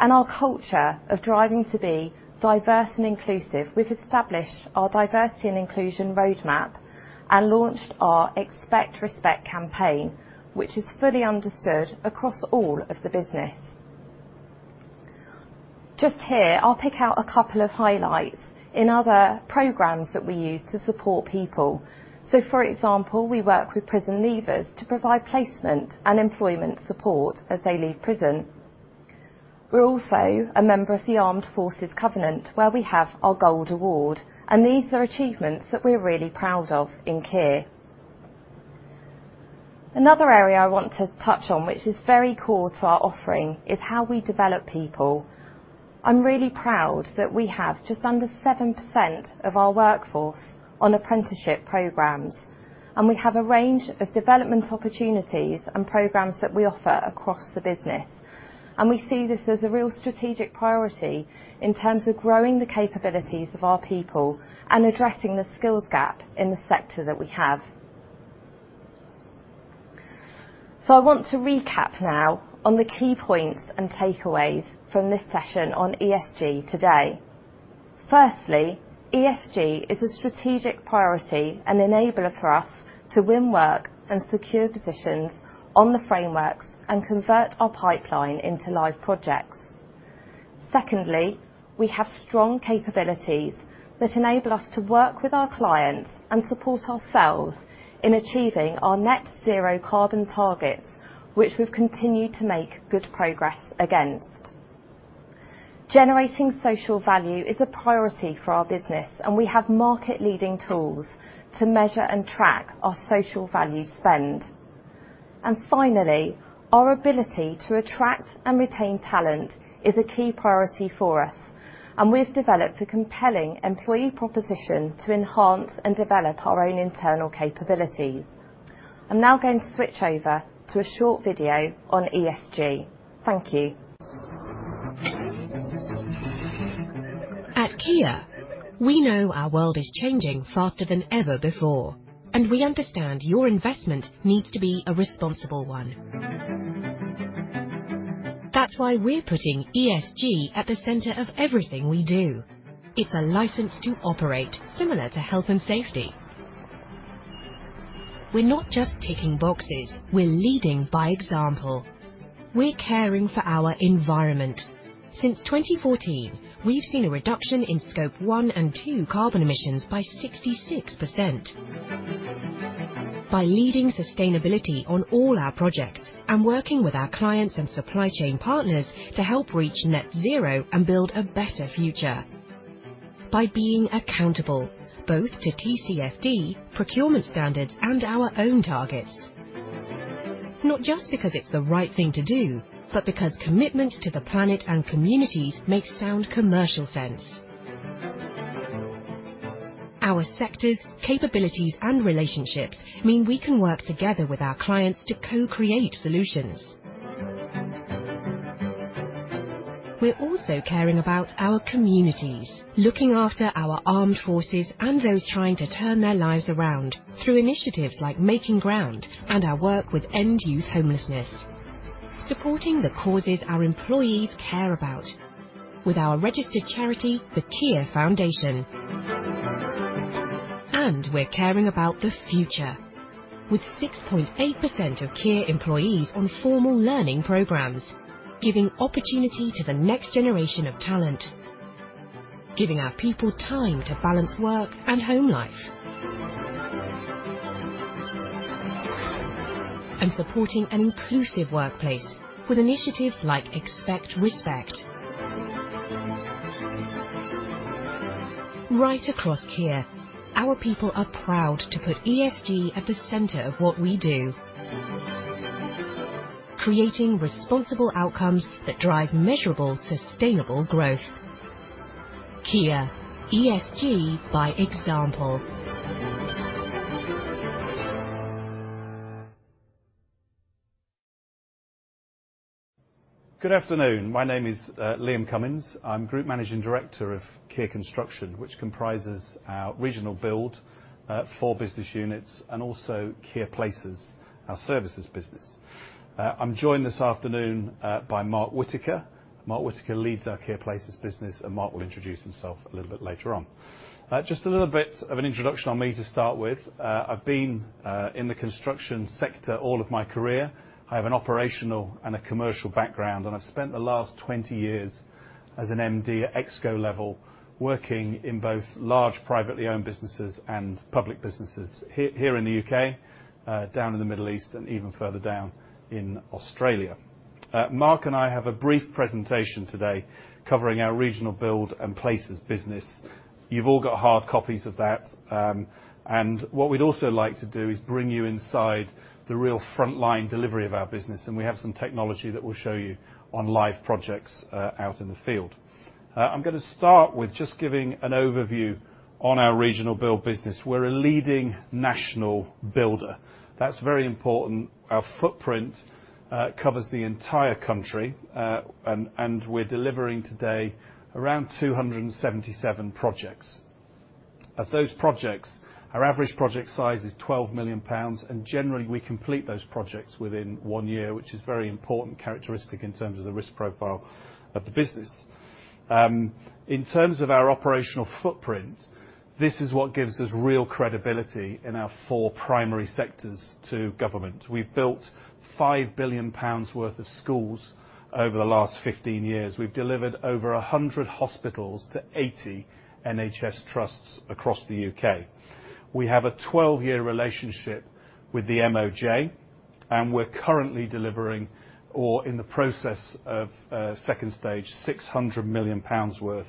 and our culture of driving to be diverse and inclusive. We've established our diversity and inclusion roadmap and launched our Expect Respect campaign, which is fully understood across all of the business. Just here, I'll pick out a couple of highlights in other programmes that we use to support people. For example, we work with prison leavers to provide placement and employment support as they leave prison. We're also a member of the Armed Forces Covenant, where we have our gold award, and these are achievements that we're really proud of in Kier. Another area I want to touch on, which is very core to our offering, is how we develop people. I'm really proud that we have just under 7% of our workforce on apprenticeship programs, and we have a range of development opportunities and programmes that we offer across the business. We see this as a real strategic priority in terms of growing the capabilities of our people and addressing the skills gap in the sector that we have. I want to recap now on the key points and takeaways from this session on ESG today. Firstly, ESG is a strategic priority and enabler for us to win work and secure positions on the frameworks and convert our pipeline into live projects. Secondly, we have strong capabilities that enable us to work with our clients and support ourselves in achieving our net zero carbon targets, which we've continued to make good progress against. Generating social value is a priority for our business, and we have market leading tools to measure and track our social value spend. Finally, our ability to attract and retain talent is a key priority for us, and we've developed a compelling employee proposition to enhance and develop our own internal capabilities. I'm now going to switch over to a short video on ESG. Thank you.
At Kier, we know our world is changing faster than ever before, and we understand your investment needs to be a responsible one. That's why we're putting ESG at the centre of everything we do. It's a license to operate, similar to health and safety. We're not just ticking boxes, we're leading by example. We're caring for our environment. Since 2014, we've seen a reduction in scope 1 and 2 carbon emissions by 66%. By leading sustainability on all our projects and working with our clients and supply chain partners to help reach net zero and build a better future. By being accountable, both to TCFD, procurement standards, and our own targets. Not just because it's the right thing to do, but because commitment to the planet and communities makes sound commercial sense. Our sectors, capabilities, and relationships mean we can work together with our clients to co-create solutions. We're also caring about our communities, looking after our armed forces and those trying to turn their lives around through initiatives like Making Ground and our work with End Youth Homelessness. Supporting the causes our employees care about with our registered charity, the Kier Foundation. We're caring about the future, with 6.8% of Kier employees on formal learning programmes, giving opportunity to the next generation of talent, giving our people time to balance work and home life. Supporting an inclusive workplace with initiatives like Expect Respect. Right across Kier, our people are proud to put ESG at the centre of what we do. Creating responsible outcomes that drive measurable sustainable growth. Kier, ESG by example.
Good afternoon. My name is Liam Cummins. I'm Group Managing Director of Kier Construction, which comprises our Regional Build 4 business units and also Kier Places, our services business. I'm joined this afternoon by Mark Whittaker. Mark Whittaker leads our Kier Places business, and Mark will introduce himself a little bit later on. Just a little bit of an introduction on me to start with. I've been in the construction sector all of my career. I have an operational and a commercial background, and I've spent the last 20 years as an MD at ExCo level, working in both large privately owned businesses and public businesses here in the U.K. down in the Middle East and even further down in Australia. Mark and I have a brief presentation today covering our Regional Build and Places business. You've all got hard copies of that. What we'd also like to do is bring you inside the real frontline delivery of our business, and we have some technology that we'll show you on live projects out in the field. I'm gonna start with just giving an overview on our Regional Build business. We're a leading national builder. That's very important. Our footprint covers the entire country, and we're delivering today around 277 projects. Of those projects, our average project size is 12 million pounds, and generally, we complete those projects within one year, which is very important characteristic in terms of the risk profile of the business. In terms of our operational footprint, this is what gives us real credibility in our four primary sectors to government. We've built 5 billion pounds worth of schools over the last 15 years. We've delivered over 100 hospitals to 80 NHS trusts across the U.K. We have a 12-year relationship with the MOJ, and we're currently delivering or in the process of a second stage, 600 million pounds worth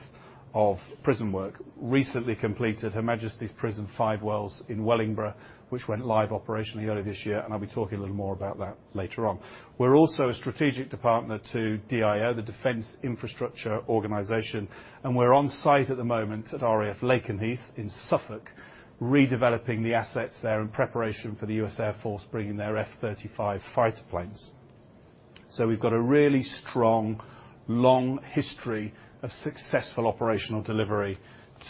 of prison work. Recently completed Her Majesty's Prison Five Wells in Wellingborough, which went live operationally earlier this year, and I'll be talking a little more about that later on. We're also a strategic partner to DIO, the Defence Infrastructure Organisation, and we're on site at the moment at RAF Lakenheath in Suffolk, redeveloping the assets there in preparation for the US Air Force bringing their F-35 fighter planes. We've got a really strong, long history of successful operational delivery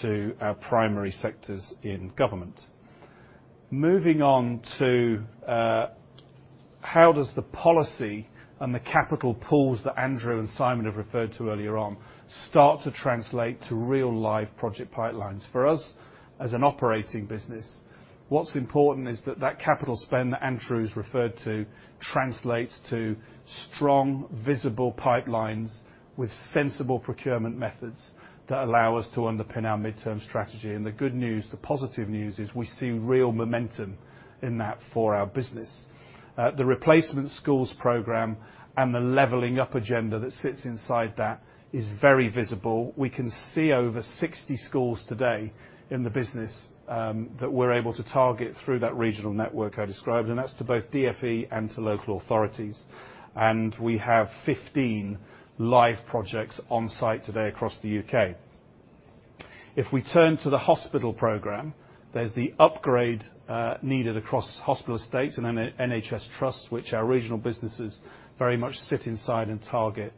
to our primary sectors in government. Moving on to how does the policy and the capital pools that Andrew and Simon have referred to earlier on start to translate to real-life project pipelines? For us, as an operating business, what's important is that that capital spend that Andrew's referred to translates to strong, visible pipelines with sensible procurement methods that allow us to underpin our midterm strategy. The good news, the positive news is we see real momentum in that for our business. The School Rebuilding Programme and the Levelling Up agenda that sits inside that is very visible. We can see over 60 schools today in the business that we're able to target through that regional network I described, and that's to both DfE and to local authorities. We have 15 live projects on site today across the U.K. If we turn to the hospital programme, there's the upgrade needed across hospital estates and NHS trusts, which our regional businesses very much sit inside and target.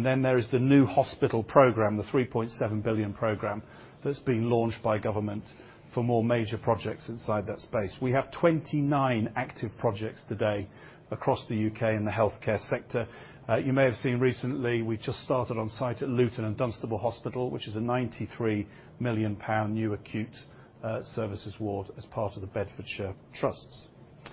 There is the New Hospital Programme, the 3.7 billion programme that's been launched by government for more major projects inside that space. We have 29 active projects today across the U.K. in the healthcare sector. You may have seen recently we just started on site at Luton and Dunstable University Hospital, which is a 93 million pound new acute services ward as part of the Bedfordshire Hospitals NHS Foundation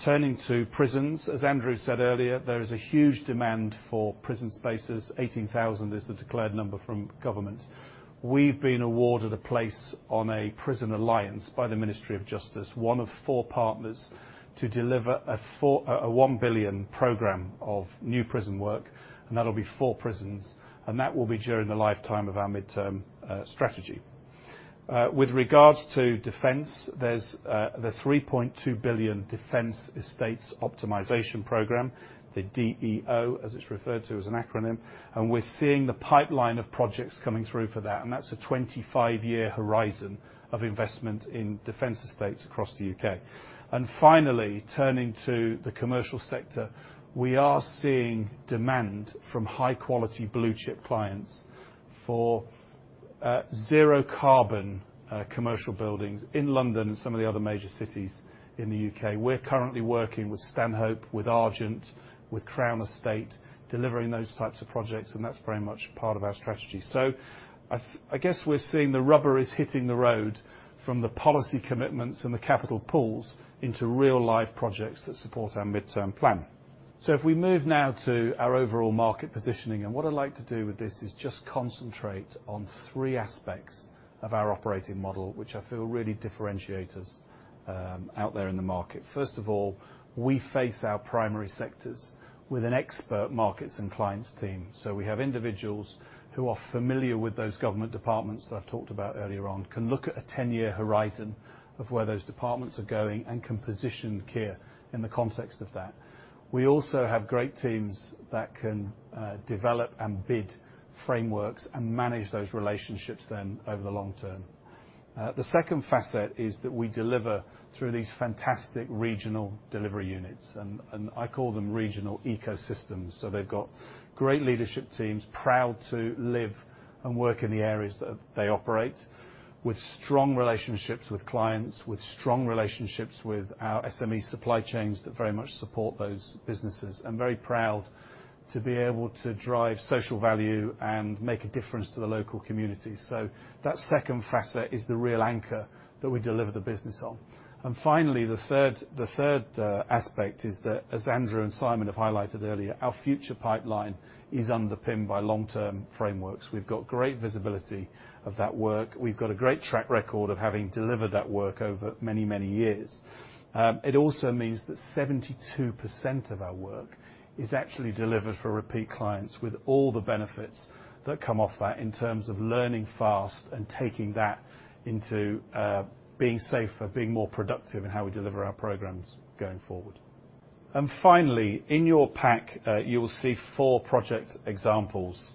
Trust. Turning to prisons, as Andrew said earlier, there is a huge demand for prison spaces. 18,000 is the declared number from government. We've been awarded a place on a prison alliance by the Ministry of Justice, one of four partners to deliver a four a 1 billion programme of new prison work, and that'll be four prisons, and that will be during the lifetime of our mid-term strategy. With regards to defence, there's the 3.2 billion Defence Estate Optimisation programme, the DEO, as it's referred to as an acronym, and we're seeing the pipeline of projects coming through for that, and that's a 25-year horizon of investment in defence estates across the U.K. Finally, turning to the commercial sector, we are seeing demand from high-quality blue-chip clients for zero-carbon commercial buildings in London and some of the other major cities in the U.K. We're currently working with Stanhope, with Argent, with the Crown Estate, delivering those types of projects, and that's very much part of our strategy. I guess we're seeing the rubber is hitting the road from the policy commitments and the capital pools into real life projects that support our midterm plan. If we move now to our overall market positioning, and what I'd like to do with this is just concentrate on three aspects of our operating model, which I feel really differentiate us, out there in the market. First of all, we face our primary sectors with an expert markets and clients team. We have individuals who are familiar with those government departments that I've talked about earlier on, can look at a 10-year horizon of where those departments are going and can position Kier in the context of that. We also have great teams that can develop and bid frameworks and manage those relationships then over the long term. The second facet is that we deliver through these fantastic regional delivery units. I call them regional ecosystems. They've got great leadership teams, proud to live and work in the areas that they operate, with strong relationships with clients, with strong relationships with our SME supply chains that very much support those businesses, and very proud to be able to drive social value and make a difference to the local community. That second facet is the real anchor that we deliver the business on. Finally, the third aspect is that, as Andrew and Simon have highlighted earlier, our future pipeline is underpinned by long-term frameworks. We've got great visibility of that work. We've got a great track record of having delivered that work over many, many years. It also means that 72% of our work is actually delivered for repeat clients with all the benefits that come of that in terms of learning fast and taking that into being safer, being more productive in how we deliver our programmes going forward. Finally, in your pack, you will see 4 project examples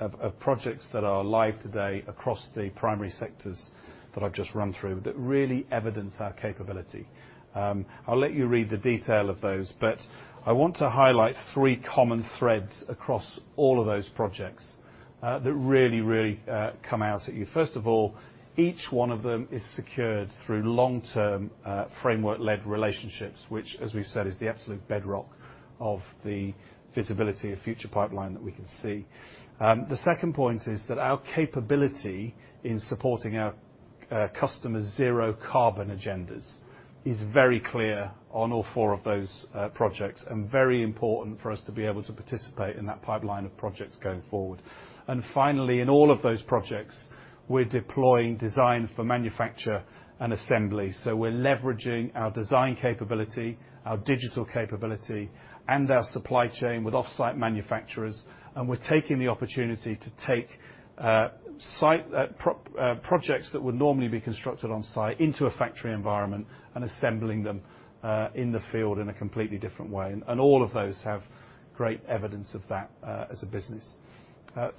of projects that are live today across the primary sectors that I've just run through that really evidence our capability. I'll let you read the detail of those, but I want to highlight 3 common threads across all of those projects that really come out at you. First of all, each one of them is secured through long-term framework-led relationships, which, as we've said, is the absolute bedrock of the visibility of future pipeline that we can see. The second point is that our capability in supporting our customers' zero carbon agendas is very clear on all four of those projects and very important for us to be able to participate in that pipeline of projects going forward. Finally, in all of those projects, we're deploying design for manufacture and assembly. We're leveraging our design capability, our digital capability, and our supply chain with off-site manufacturers, and we're taking the opportunity to take projects that would normally be constructed on site into a factory environment and assembling them in the field in a completely different way. All of those have great evidence of that, as a business.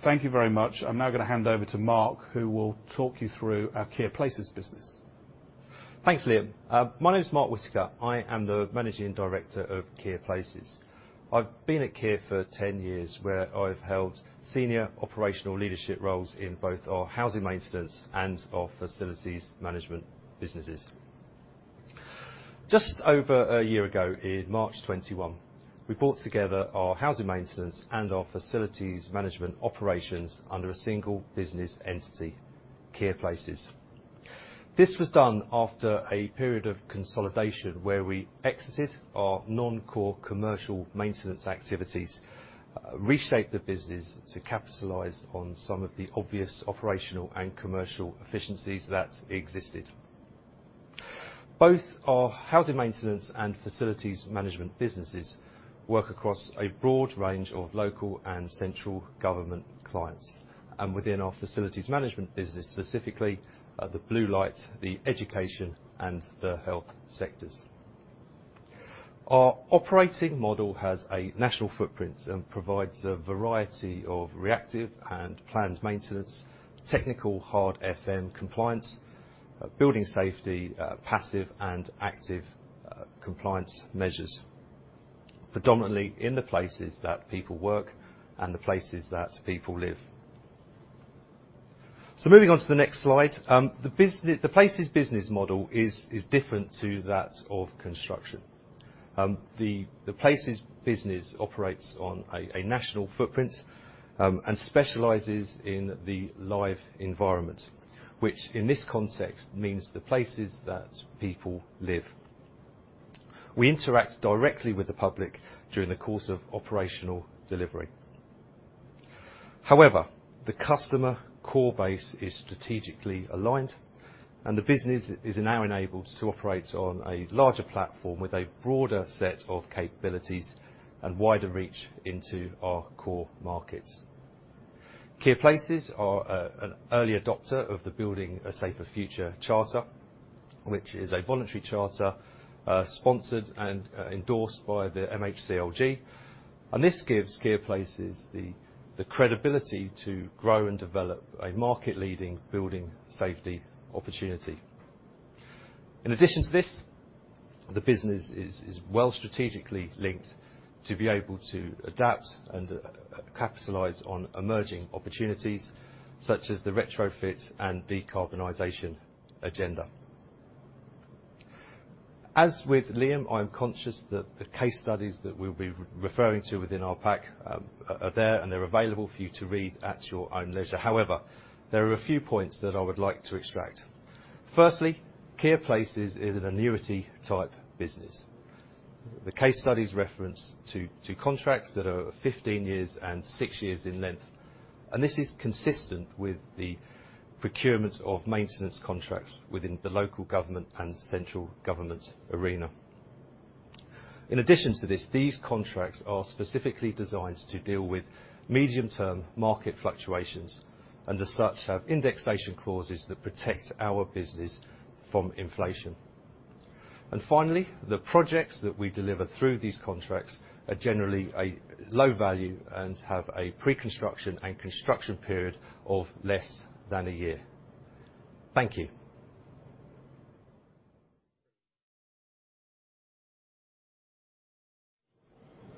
Thank you very much. I'm now gonna hand over to Mark, who will talk you through our Kier Places business.
Thanks, Liam. My name is Mark Whittaker. I am the Managing Director of Kier Places. I've been at Kier for 10 years, where I've held senior operational leadership roles in both our housing maintenance and our facilities management businesses. Just over a year ago, in March 2021, we brought together our housing maintenance and our facilities management operations under a single business entity, Kier Places. This was done after a period of consolidation where we exited our non-core commercial maintenance activities, reshaped the business to capitalize on some of the obvious operational and commercial efficiencies that existed. Both our housing maintenance and facilities management businesses work across a broad range of local and central government clients. Within our facilities management business, specifically, the blue light, the education, and the health sectors. Our operating model has a national footprint and provides a variety of reactive and planned maintenance, technical hard FM compliance, building safety, passive and active, compliance measures, predominantly in the places that people work and the places that people live. Moving on to the next slide. The Places business model is different to that of construction. The Places business operates on a national footprint and specializes in the live environment, which in this context means the places that people live. We interact directly with the public during the course of operational delivery. However, the customer core base is strategically aligned, and the business is now enabled to operate on a larger platform with a broader set of capabilities and wider reach into our core markets. Kier Places are an early adopter of the Building a Safer Future Charter, which is a voluntary charter, sponsored and endorsed by the MHCLG. This gives Kier Places the credibility to grow and develop a market-leading building safety opportunity. In addition to this, the business is well strategically linked to be able to adapt and capitalize on emerging opportunities such as the retrofit and decarbonization agenda. As with Liam, I am conscious that the case studies that we'll be referring to within our pack are there, and they're available for you to read at your own leisure. However, there are a few points that I would like to extract. Firstly, Kier Places is an annuity-type business. The case studies reference to contracts that are 15 years and 6 years in length, and this is consistent with the procurement of maintenance contracts within the local government and central government arena. In addition to this, these contracts are specifically designed to deal with medium-term market fluctuations, and as such, have indexation clauses that protect our business from inflation. Finally, the projects that we deliver through these contracts are generally a low value and have a pre-construction and construction period of less than a year. Thank you.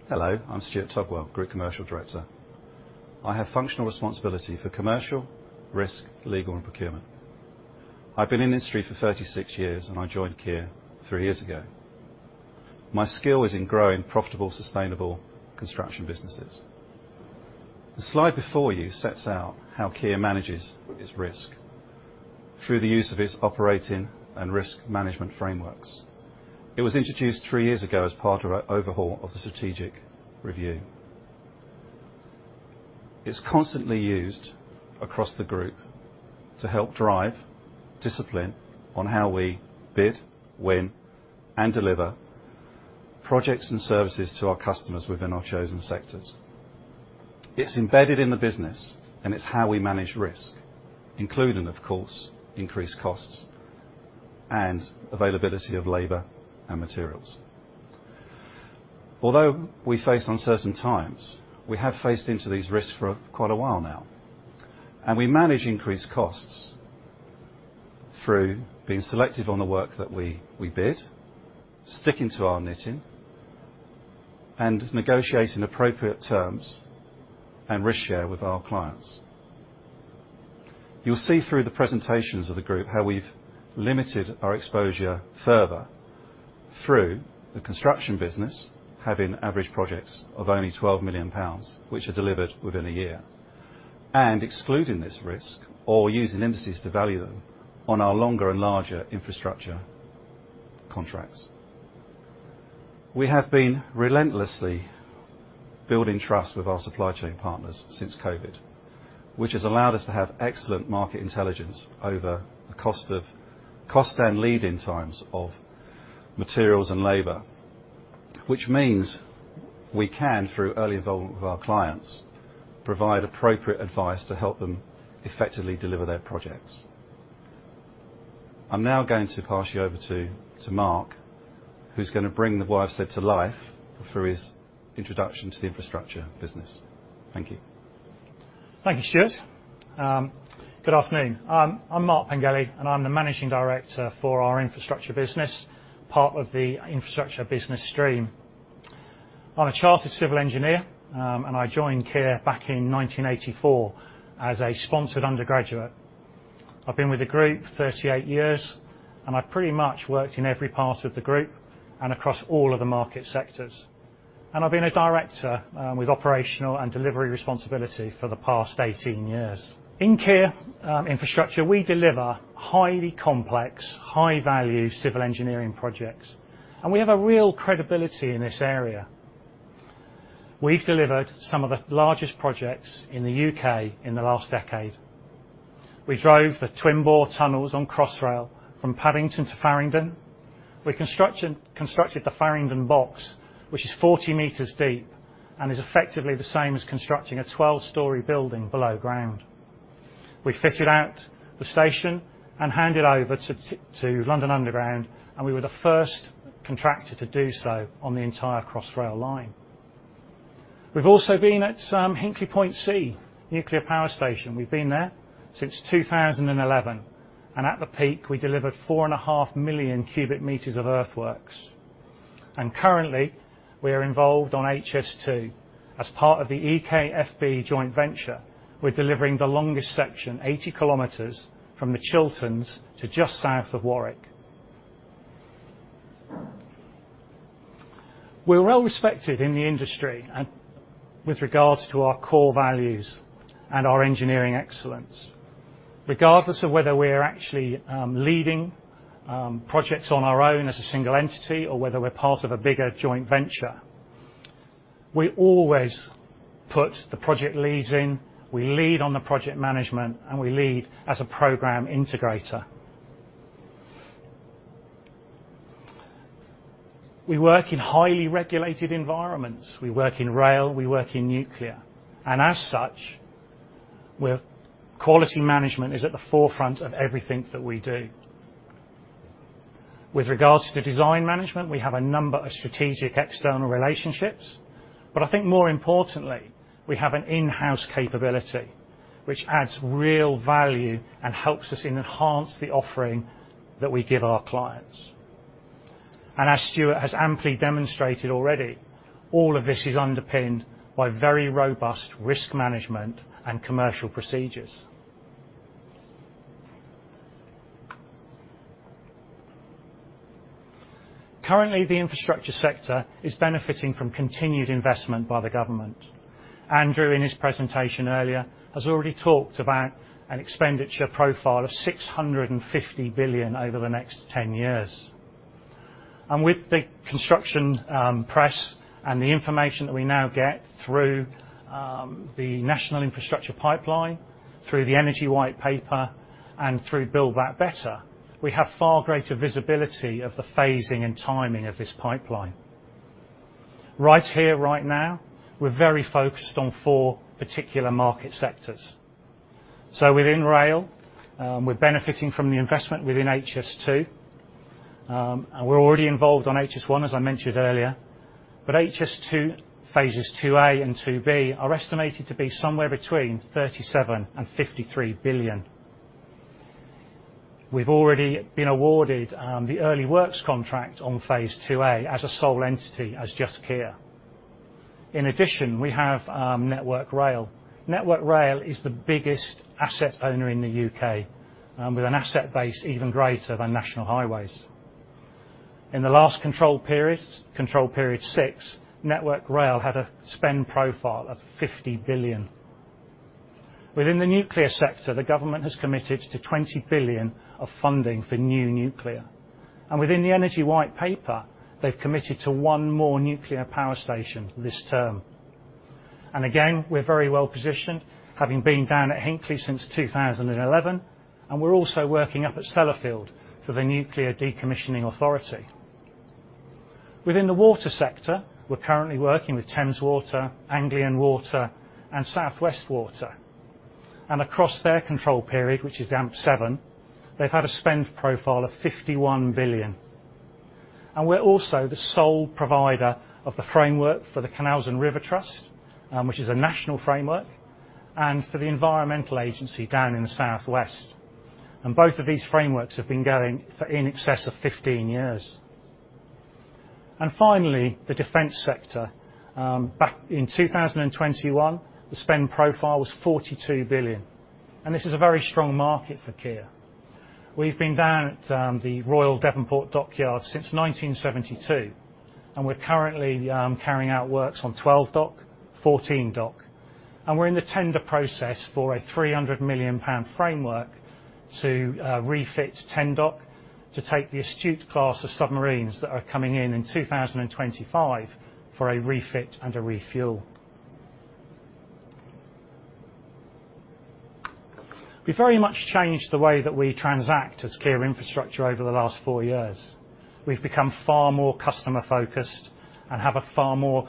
Hello, I'm Stuart Togwell, Group Commercial Director. I have functional responsibility for commercial, risk, legal, and procurement. I've been in industry for 36 years, and I joined Kier 3 years ago. My skill is in growing profitable, sustainable construction businesses. The slide before you sets out how Kier manages its risk through the use of its operating and risk management frameworks. It was introduced 3 years ago as part of our overhaul of the strategic review. It's constantly used across the group to help drive discipline on how we bid, win, and deliver projects and services to our customers within our chosen sectors. It's embedded in the business, and it's how we manage risk, including, of course, increased costs and availability of labour and materials. Although we face uncertain times, we have faced into these risks for quite a while now, and we manage increased costs through being selective on the work that we bid, sticking to our knitting, and negotiating appropriate terms and risk share with our clients. You'll see through the presentations of the group how we've limited our exposure further through the construction business having average projects of only 12 million pounds, which are delivered within a year. Excluding this risk or using indices to value them on our longer and larger infrastructure contracts. We have been relentlessly building trust with our supply chain partners since COVID, which has allowed us to have excellent market intelligence over the cost and lead-in times of materials and labour, which means we can, through early involvement with our clients, provide appropriate advice to help them effectively deliver their projects. I'm now going to pass you over to Mark, who's gonna bring what I've said to life through his introduction to the infrastructure business. Thank you.
Thank you, Stuart. Good afternoon. I'm Mark Pengelly, and I'm the Managing Director for our infrastructure business, part of the infrastructure business stream. I'm a chartered civil engineer, and I joined Kier back in 1984 as a sponsored undergraduate. I've been with the group 38 years, and I pretty much worked in every part of the group and across all of the market sectors. I've been a director, with operational and delivery responsibility for the past 18 years. In Kier Infrastructure, we deliver highly complex, high-value civil engineering projects, and we have a real credibility in this area. We've delivered some of the largest projects in the U.K. in the last decade. We drove the twin-bore tunnels on Crossrail from Paddington to Farringdon. We constructed the Farringdon Box, which is 40 meters deep and is effectively the same as constructing a 12-storey building below ground. We fitted out the station and handed over to London Underground, and we were the first contractor to do so on the entire Crossrail line. We've also been at Hinkley Point C nuclear power station. We've been there since 2011, and at the peak, we delivered 4.5 million cubic meters of earthworks. Currently, we are involved on HS2 as part of the EKFB joint venture. We're delivering the longest section, 80 km, from the Chilterns to just south of Warwick. We're well respected in the industry and with regards to our core values and our engineering excellence. Regardless of whether we are actually leading projects on our own as a single entity or whether we're part of a bigger joint venture, we always put the project leads in, we lead on the project management, and we lead as a programme integrator. We work in highly regulated environments. We work in rail, we work in nuclear, and as such, quality management is at the forefront of everything that we do. With regards to design management, we have a number of strategic external relationships, but I think more importantly, we have an in-house capability, which adds real value and helps us enhance the offering that we give our clients. As Stuart has amply demonstrated already, all of this is underpinned by very robust risk management and commercial procedures. Currently, the infrastructure sector is benefiting from continued investment by the government. Andrew, in his presentation earlier, has already talked about an expenditure profile of 650 billion over the next 10 years. With the construction press and the information that we now get through the National Infrastructure Pipeline, through the Energy White Paper, and through Build Back Better, we have far greater visibility of the phasing and timing of this pipeline. Right here, right now, we're very focused on four particular market sectors. Within rail, we're benefiting from the investment within HS2. We're already involved on HS2, as I mentioned earlier. HS2, phases 2A and 2B, are estimated to be somewhere between 37 billion-53 billion. We've already been awarded the early works contract on phase 2A as a sole entity, as just Kier. In addition, we have Network Rail. Network Rail is the biggest asset owner in the U.K., with an asset base even greater than National Highways. In the last control periods, control period six, Network Rail had a spend profile of 50 billion. Within the nuclear sector, the government has committed to 20 billion of funding for new nuclear. Within the Energy White Paper, they've committed to one more nuclear power station this term. We're very well-positioned, having been down at Hinkley since 2011, and we're also working up at Sellafield for the Nuclear Decommissioning Authority. Within the water sector, we're currently working with Thames Water, Anglian Water, and South West Water. Across their control period, which is AMP7, they've had a spend profile of 51 billion. We're also the sole provider of the framework for the Canal & River Trust, which is a national framework, and for the Environment Agency down in the southwest. Both of these frameworks have been going for in excess of 15 years. Finally, the defence sector. Back in 2021, the spend profile was 42 billion, and this is a very strong market for Kier. We've been down at the Devonport Royal Dockyard since 1972, and we're currently carrying out works on 12 Dock, 14 Dock, and we're in the tender process for a 300 million pound framework to refit 10 Dock to take the Astute class of submarines that are coming in in 2025 for a refit and a refuel. We very much changed the way that we transact as Kier Infrastructure over the last four years. We've become far more customer-focused and have a far more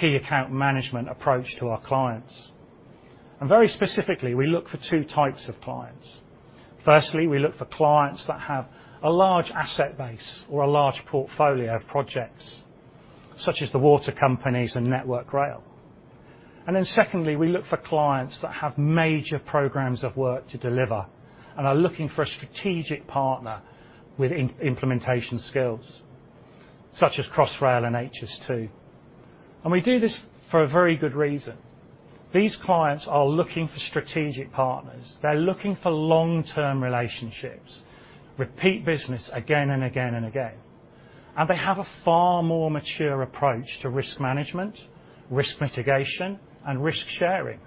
key account management approach to our clients. Very specifically, we look for two types of clients. Firstly, we look for clients that have a large asset base or a large portfolio of projects, such as the water companies and Network Rail. Secondly, we look for clients that have major programmes of work to deliver and are looking for a strategic partner with implementation skills, such as Crossrail and HS2. We do this for a very good reason. These clients are looking for strategic partners. They're looking for long-term relationships, repeat business again and again and again. They have a far more mature approach to risk management, risk mitigation, and risk sharing.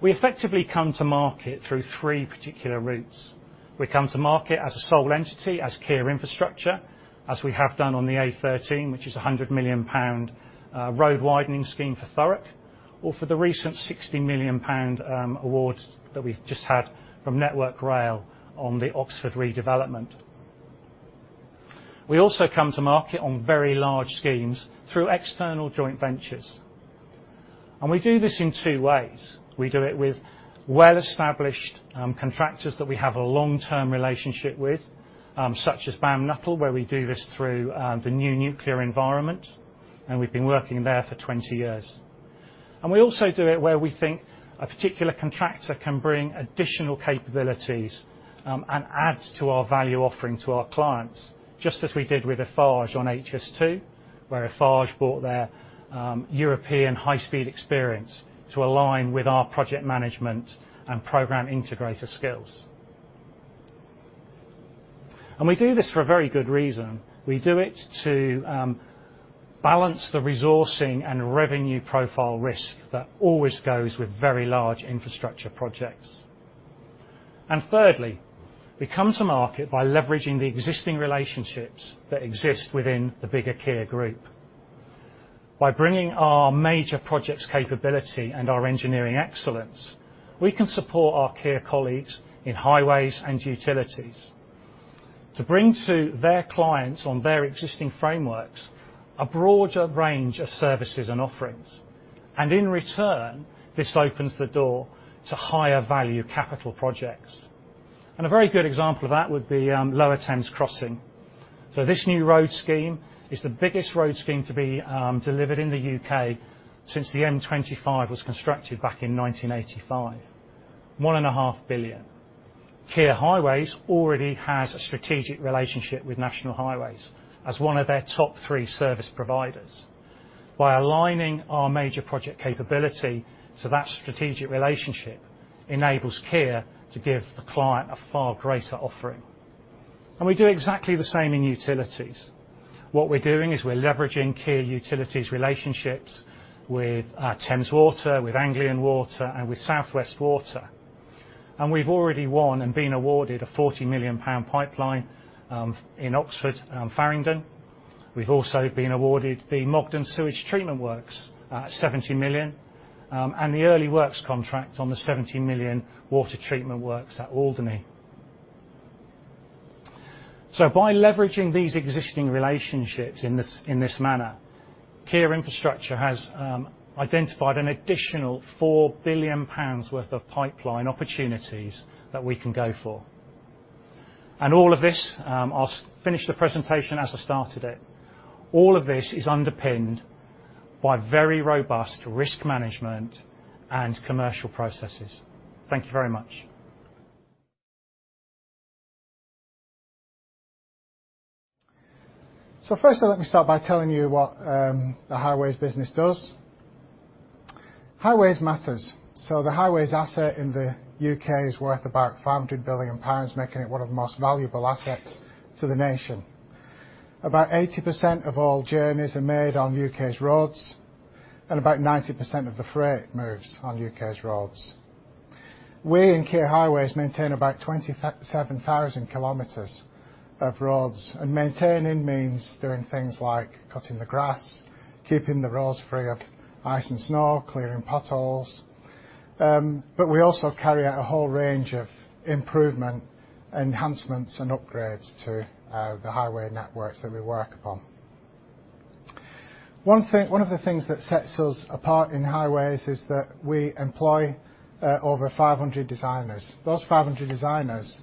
We effectively come to market through three particular routes. We come to market as a sole entity, as Kier Infrastructure, as we have done on the A13, which is a 100 million pound road widening scheme for Thurrock, or for the recent 60 million pound award that we've just had from Network Rail on the Oxford redevelopment. We also come to market on very large schemes through external joint ventures, and we do this in two ways. We do it with well-established contractors that we have a long-term relationship with, such as BAM Nuttall, where we do this through the new nuclear environment, and we've been working there for 20 years. We also do it where we think a particular contractor can bring additional capabilities, and add to our value offering to our clients, just as we did with Eiffage on HS2, where Eiffage brought their European high-speed experience to align with our project management and programme integrator skills. We do this for a very good reason. We do it to balance the resourcing and revenue profile risk that always goes with very large infrastructure projects. Thirdly, we come to market by leveraging the existing relationships that exist within the bigger Kier Group. By bringing our major projects capability and our engineering excellence, we can support our Kier colleagues in Highways and Utilities to bring to their clients on their existing frameworks a broader range of services and offerings. In return, this opens the door to higher value capital projects. A very good example of that would be Lower Thames Crossing. This new road scheme is the biggest road scheme to be delivered in the U.K. since the M25 was constructed back in 1985. 1.5 billion. Kier Highways already has a strategic relationship with National Highways as one of their top three service providers. By aligning our major project capability to that strategic relationship enables Kier to give the client a far greater offering. We do exactly the same in Utilities. What we're doing is we're leveraging Kier Utilities relationships with Thames Water, with Anglian Water, and with South West Water. We've already won and been awarded a 40 million pound pipeline in Oxford, Farringdon. We've also been awarded the Mogden Sewage Treatment Works at 70 million, and the early works contract on the 70 million water treatment works at Alderney. By leveraging these existing relationships in this manner, Kier Infrastructure has identified an additional 4 billion pounds worth of pipeline opportunities that we can go for. I'll finish the presentation as I started it. All of this is underpinned by very robust risk management and commercial processes. Thank you very much.
First let me start by telling you what the highways business does. Highways matters. The highways asset in the U.K. is worth about 500 billion pounds, making it one of the most valuable assets to the nation. About 80% of all journeys are made on U.K.'s roads, and about 90% of the freight moves on U.K.'s roads. We in Kier Highways maintain about 27,000 km of roads. Maintaining means doing things like cutting the grass, keeping the roads free of ice and snow, clearing potholes. We also carry out a whole range of improvement, enhancements, and upgrades to the highway networks that we work upon. One of the things that sets us apart in highways is that we employ over 500 designers. Those 500 designers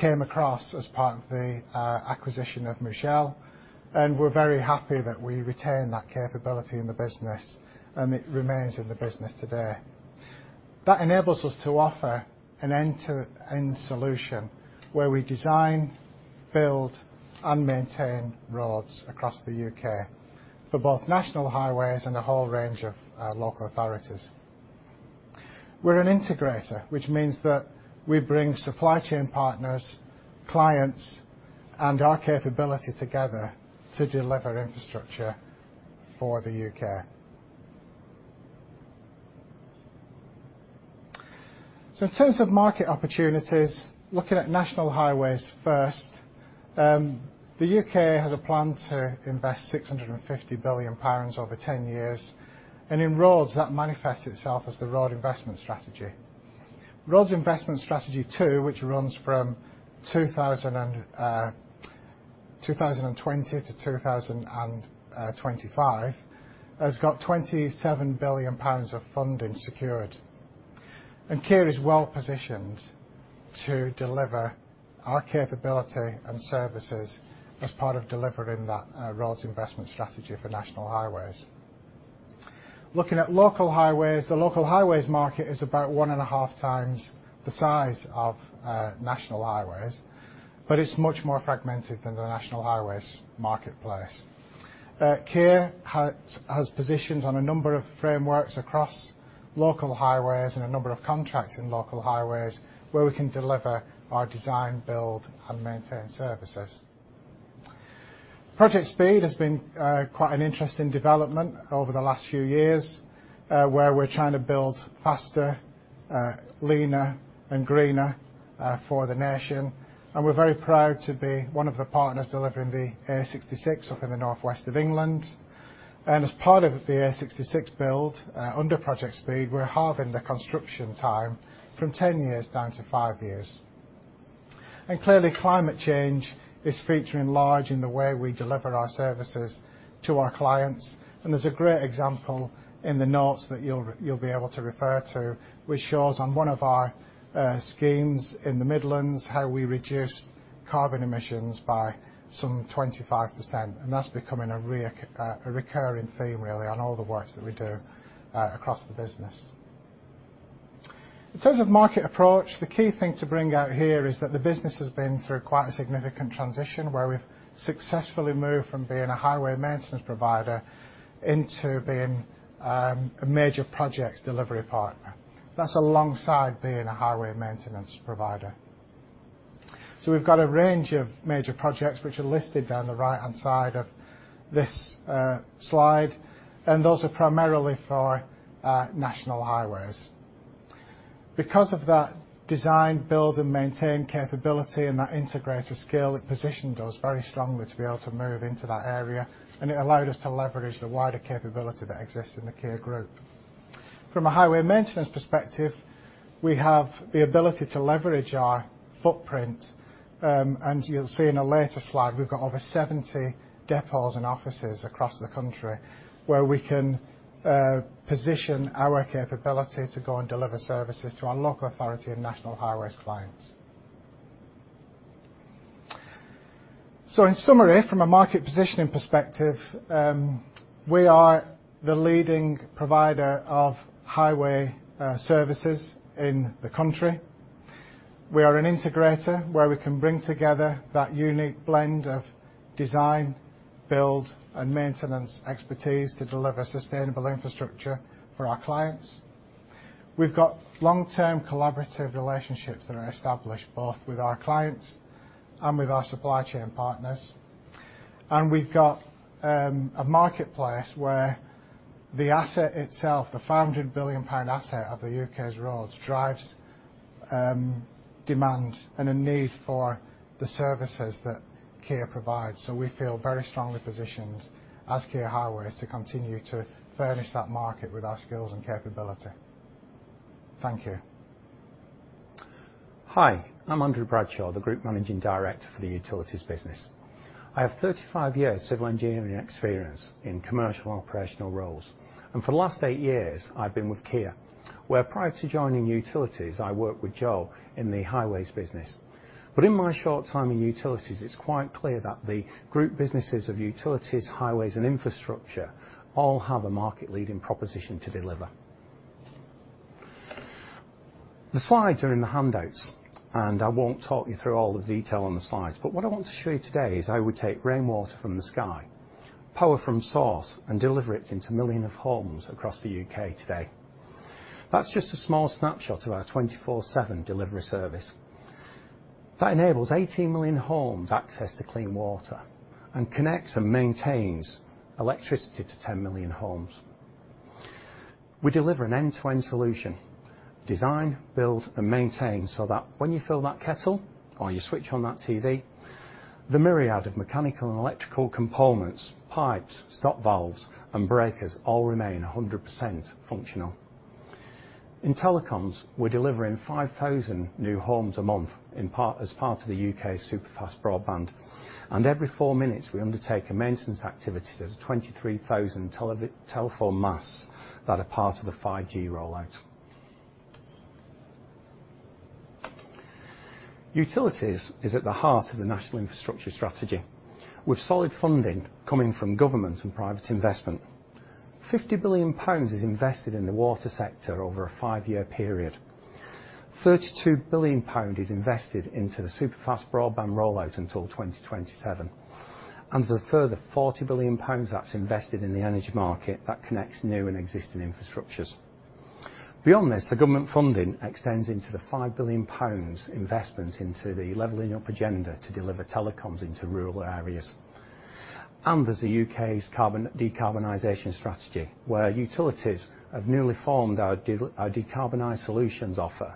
came across as part of the acquisition of Mouchel, and we're very happy that we retained that capability in the business, and it remains in the business today. That enables us to offer an end-to-end solution where we design, build, and maintain roads across the U.K. for both National Highways and a whole range of local authorities. We're an integrator, which means that we bring supply chain partners, clients, and our capability together to deliver infrastructure for the U.K. In terms of market opportunities, looking at National Highways first, the U.K. has a plan to invest 650 billion pounds over 10 years, and in roads, that manifests itself as the Road Investment Strategy. Road Investment Strategy 2, which runs from 2020 to 2025, has got 27 billion pounds of funding secured. Kier is well positioned to deliver our capability and services as part of delivering that Road Investment Strategy for National Highways. Looking at local highways, the local highways market is about one and a half times the size of National Highways, but it's much more fragmented than the National Highways marketplace. Kier has positions on a number of frameworks across local highways and a number of contracts in local highways where we can deliver our design, build, and maintain services. Project Speed has been quite an interesting development over the last few years, where we're trying to build faster, leaner and greener for the nation, and we're very proud to be one of the partners delivering the A66 up in the northwest of England. As part of the A66 build under Project Speed, we're halving the construction time from 10 years down to 5 years. Clearly climate change is featuring large in the way we deliver our services to our clients, and there's a great example in the notes that you'll be able to refer to, which shows on one of our schemes in the Midlands how we reduced carbon emissions by some 25%. That's becoming a recurring theme really on all the works that we do across the business. In terms of market approach, the key thing to bring out here is that the business has been through quite a significant transition where we've successfully moved from being a highway maintenance provider into being a major projects delivery partner. That's alongside being a highway maintenance provider. We've got a range of major projects which are listed down the right-hand side of this slide, and those are primarily for National Highways. Because of that design, build and maintain capability and that integrator scale, it positioned us very strongly to be able to move into that area, and it allowed us to leverage the wider capability that exists in the Kier Group. From a highway maintenance perspective, we have the ability to leverage our footprint, and you'll see in a later slide, we've got over 70 depots and offices across the country where we can position our capability to go and deliver services to our local authority and National Highways clients. In summary, from a market positioning perspective, we are the leading provider of highway services in the country. We are an integrator where we can bring together that unique blend of design, build, and maintenance expertise to deliver sustainable infrastructure for our clients. We've got long-term collabourative relationships that are established both with our clients and with our supply chain partners. We've got a marketplace where the asset itself, the 500 billion pound asset of the U.K.'s roads, drives demand and a need for the services that Kier provides. We feel very strongly positioned as Kier Highways to continue to furnish that market with our skills and capability. Thank you.
Hi, I'm Andrew Bradshaw, the Group Managing Director for the Utilities business. I have 35 years civil engineering experience in commercial and operational roles, and for the last 8 years, I've been with Kier, where prior to joining Utilities, I worked with Joe in the Highways business. In my short time in Utilities, it's quite clear that the group businesses of Utilities, Highways, and Infrastructure all have a market-leading proposition to deliver. The slides are in the handouts, and I won't talk you through all the detail on the slides, but what I want to show you today is how we take rainwater from the sky, power from source, and deliver it into millions of homes across the U.K. today. That's just a small snapshot of our 24/7 delivery service. That enables 18 million homes access to clean water and connects and maintains electricity to 10 million homes. We deliver an end-to-end solution: design, build, and maintain, so that when you fill that kettle or you switch on that TV, the myriad of mechanical and electrical components, pipes, stop valves, and breakers all remain 100% functional. In telecoms, we're delivering 5,000 new homes a month as part of the U.K.'s superfast broadband, and every four minutes we undertake a maintenance activity to the 23,000 telephone masts that are part of the 5G rollout. Utilities is at the heart of the National Infrastructure Strategy. With solid funding coming from government and private investment. 50 billion pounds is invested in the water sector over a five-year period. 32 billion pounds is invested into the superfast broadband rollout until 2027, and there's a further 40 billion pounds that's invested in the energy market that connects new and existing infrastructures. Beyond this, the government funding extends into the 5 billion pounds investment into the Levelling Up agenda to deliver telecoms into rural areas. There's the U.K.'s decarbonization strategy, where Utilities have newly formed our decarbonized solutions offer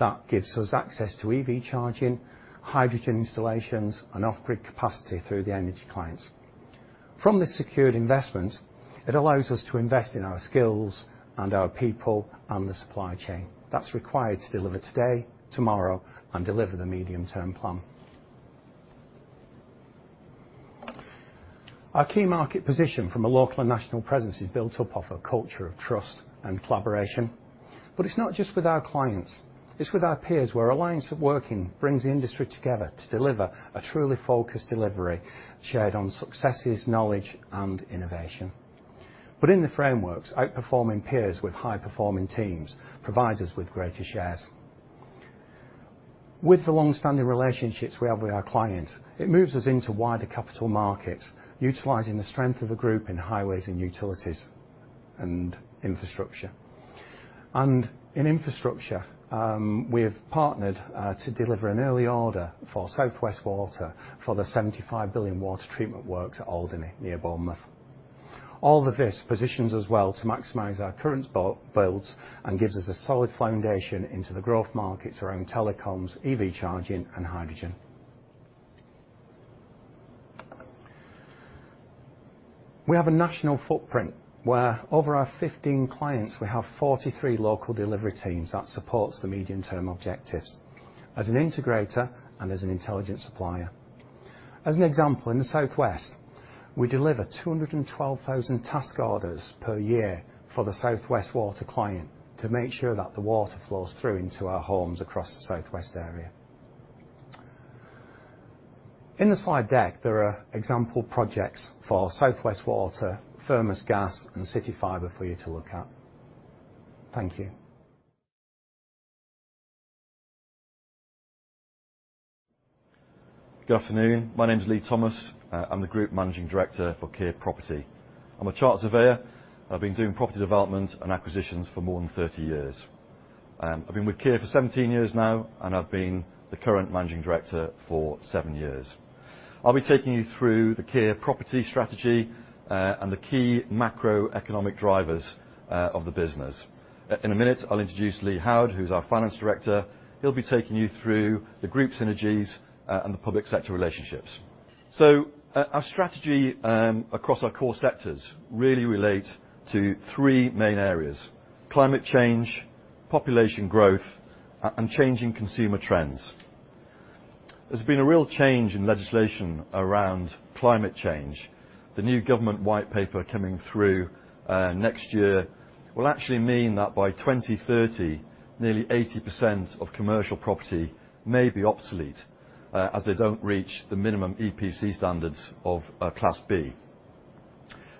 that gives us access to EV charging, hydrogen installations, and off-grid capacity through the energy clients. From this secured investment, it allows us to invest in our skills and our people and the supply chain that's required to deliver today, tomorrow, and deliver the medium-term plan. Our key market position from a local and national presence is built up off a culture of trust and collabouration. It's not just with our clients, it's with our peers, where alliance of working brings the industry together to deliver a truly focused delivery shared on successes, knowledge, and innovation. In the frameworks, outperforming peers with high-performing teams provides us with greater shares. With the long-standing relationships we have with our clients, it moves us into wider capital markets, utilizing the strength of the group in Highways and Utilities and infrastructure. In infrastructure, we have partnered to deliver an early order for South West Water for the 75 billion water treatment works at Alderney, near Bournemouth. All of this positions us well to maximize our current builds, and gives us a solid foundation into the growth markets around telecoms, EV charging, and hydrogen. We have a national footprint, where over our 15 clients, we have 43 local delivery teams that supports the medium-term objectives as an integrator and as an intelligent supplier. As an example, in the southwest, we deliver 212,000 task orders per year for the South West Water client to make sure that the water flows through into our homes across the southwest area. In the slide deck, there are example projects for South West Water, Firmus Energy, and CityFibre for you to look at. Thank you.
Good afternoon. My name is Leigh Thomas. I'm the Group Managing Director for Kier Property. I'm a chartered surveyor. I've been doing property development and acquisitions for more than 30 years. I've been with Kier for 17 years now, and I've been the current managing director for 7 years. I'll be taking you through the Kier Property strategy, and the key macroeconomic drivers of the business. In a minute, I'll introduce Lee Howard, who's our finance director. He'll be taking you through the group synergies, and the public sector relationships. Our strategy across our core sectors really relate to three main areas. Climate change, population growth, and changing consumer trends. There's been a real change in legislation around climate change. The new government white paper coming through next year will actually mean that by 2030, nearly 80% of commercial property may be obsolete as they don't reach the minimum EPC standards of Class B.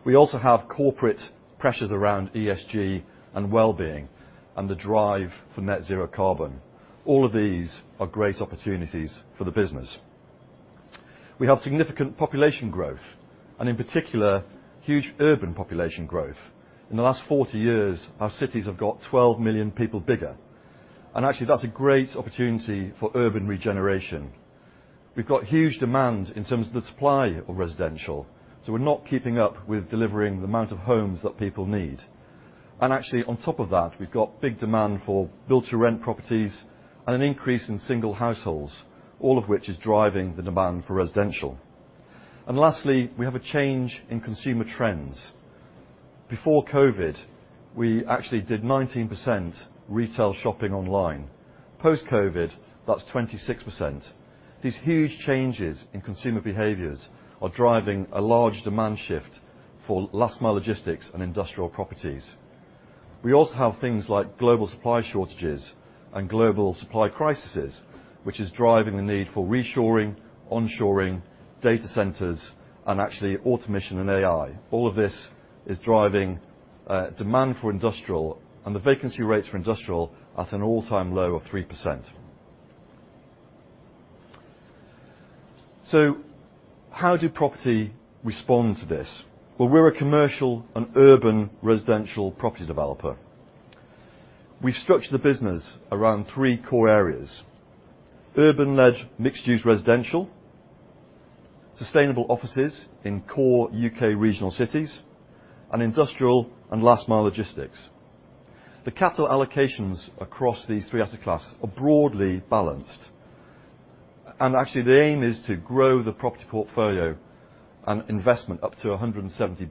We also have corporate pressures around ESG and well-being and the drive for net zero carbon. All of these are great opportunities for the business. We have significant population growth, and in particular, huge urban population growth. In the last 40 years, our cities have got 12 million people bigger, and actually that's a great opportunity for urban regeneration. We've got huge demand in terms of the supply of residential, so we're not keeping up with delivering the amount of homes that people need. Actually, on top of that, we've got big demand for build-to-rent properties and an increase in single households, all of which is driving the demand for residential. Lastly, we have a change in consumer trends. Before COVID, we actually did 19% retail shopping online. Post-COVID, that's 26%. These huge changes in consumer behaviors are driving a large demand shift for last-mile logistics and industrial properties. We also have things like global supply shortages and global supply crises, which is driving the need for reshoring, onshoring, data centres, and actually automation and AI. All of this is driving demand for industrial, and the vacancy rates for industrial at an all-time low of 3%. How do property respond to this? Well, we're a commercial and urban residential property developer. We've structured the business around three core areas, urban-led mixed-use residential, sustainable offices in core U.K. regional cities, and industrial and last-mile logistics. The capital allocations across these three asset classes are broadly balanced, and actually the aim is to grow the property portfolio and investment up to 170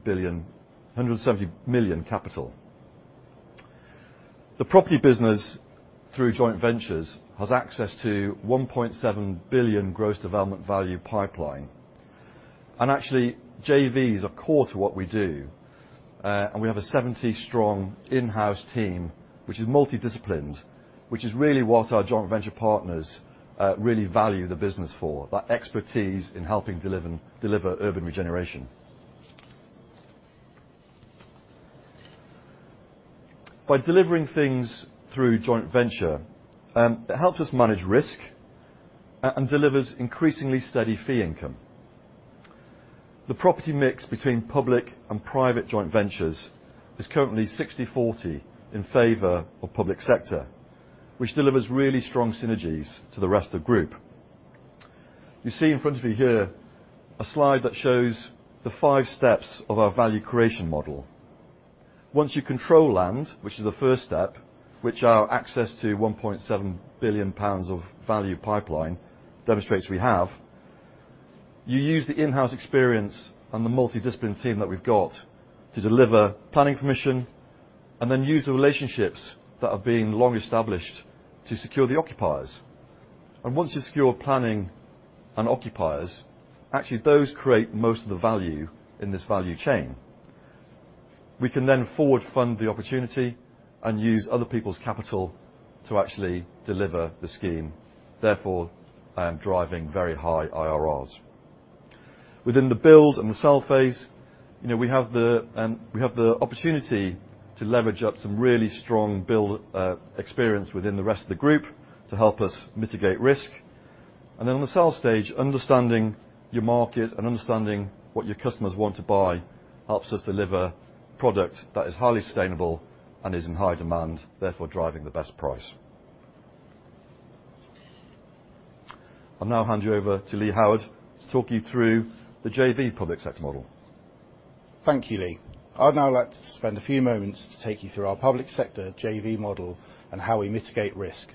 million capital. The Property business, through joint ventures, has access to 1.7 billion gross development value pipeline. Actually, JVs are core to what we do, and we have a 70-strong in-house team which is multidisciplined, which is really what our joint venture partners really value the business for, that expertise in helping deliver urban regeneration. By delivering things through joint venture, it helps us manage risk and delivers increasingly steady fee income. The property mix between public and private joint ventures is currently 60/40 in favor of public sector, which delivers really strong synergies to the rest of the group. You see in front of you here a slide that shows the five steps of our value creation model. Once you control land, which is the first step, which our access to 1.7 billion pounds of value pipeline demonstrates we have, you use the in-house experience and the multidisciplined team that we've got to deliver planning permission, and then use the relationships that have been long established to secure the occupiers. Once you secure planning and occupiers, actually those create most of the value in this value chain. We can then forward-fund the opportunity and use other people's capital to actually deliver the scheme, therefore driving very high IRRs. Within the build and the sell phase, you know, we have the opportunity to leverage up some really strong build experience within the rest of the group to help us mitigate risk. On the sell stage, understanding your market and understanding what your customers want to buy helps us deliver product that is highly sustainable and is in high demand, therefore driving the best price. I'll now hand you over to Lee Howard to talk you through the JV public sector model.
Thank you, Leigh. I'd now like to spend a few moments to take you through our public sector JV model and how we mitigate risk.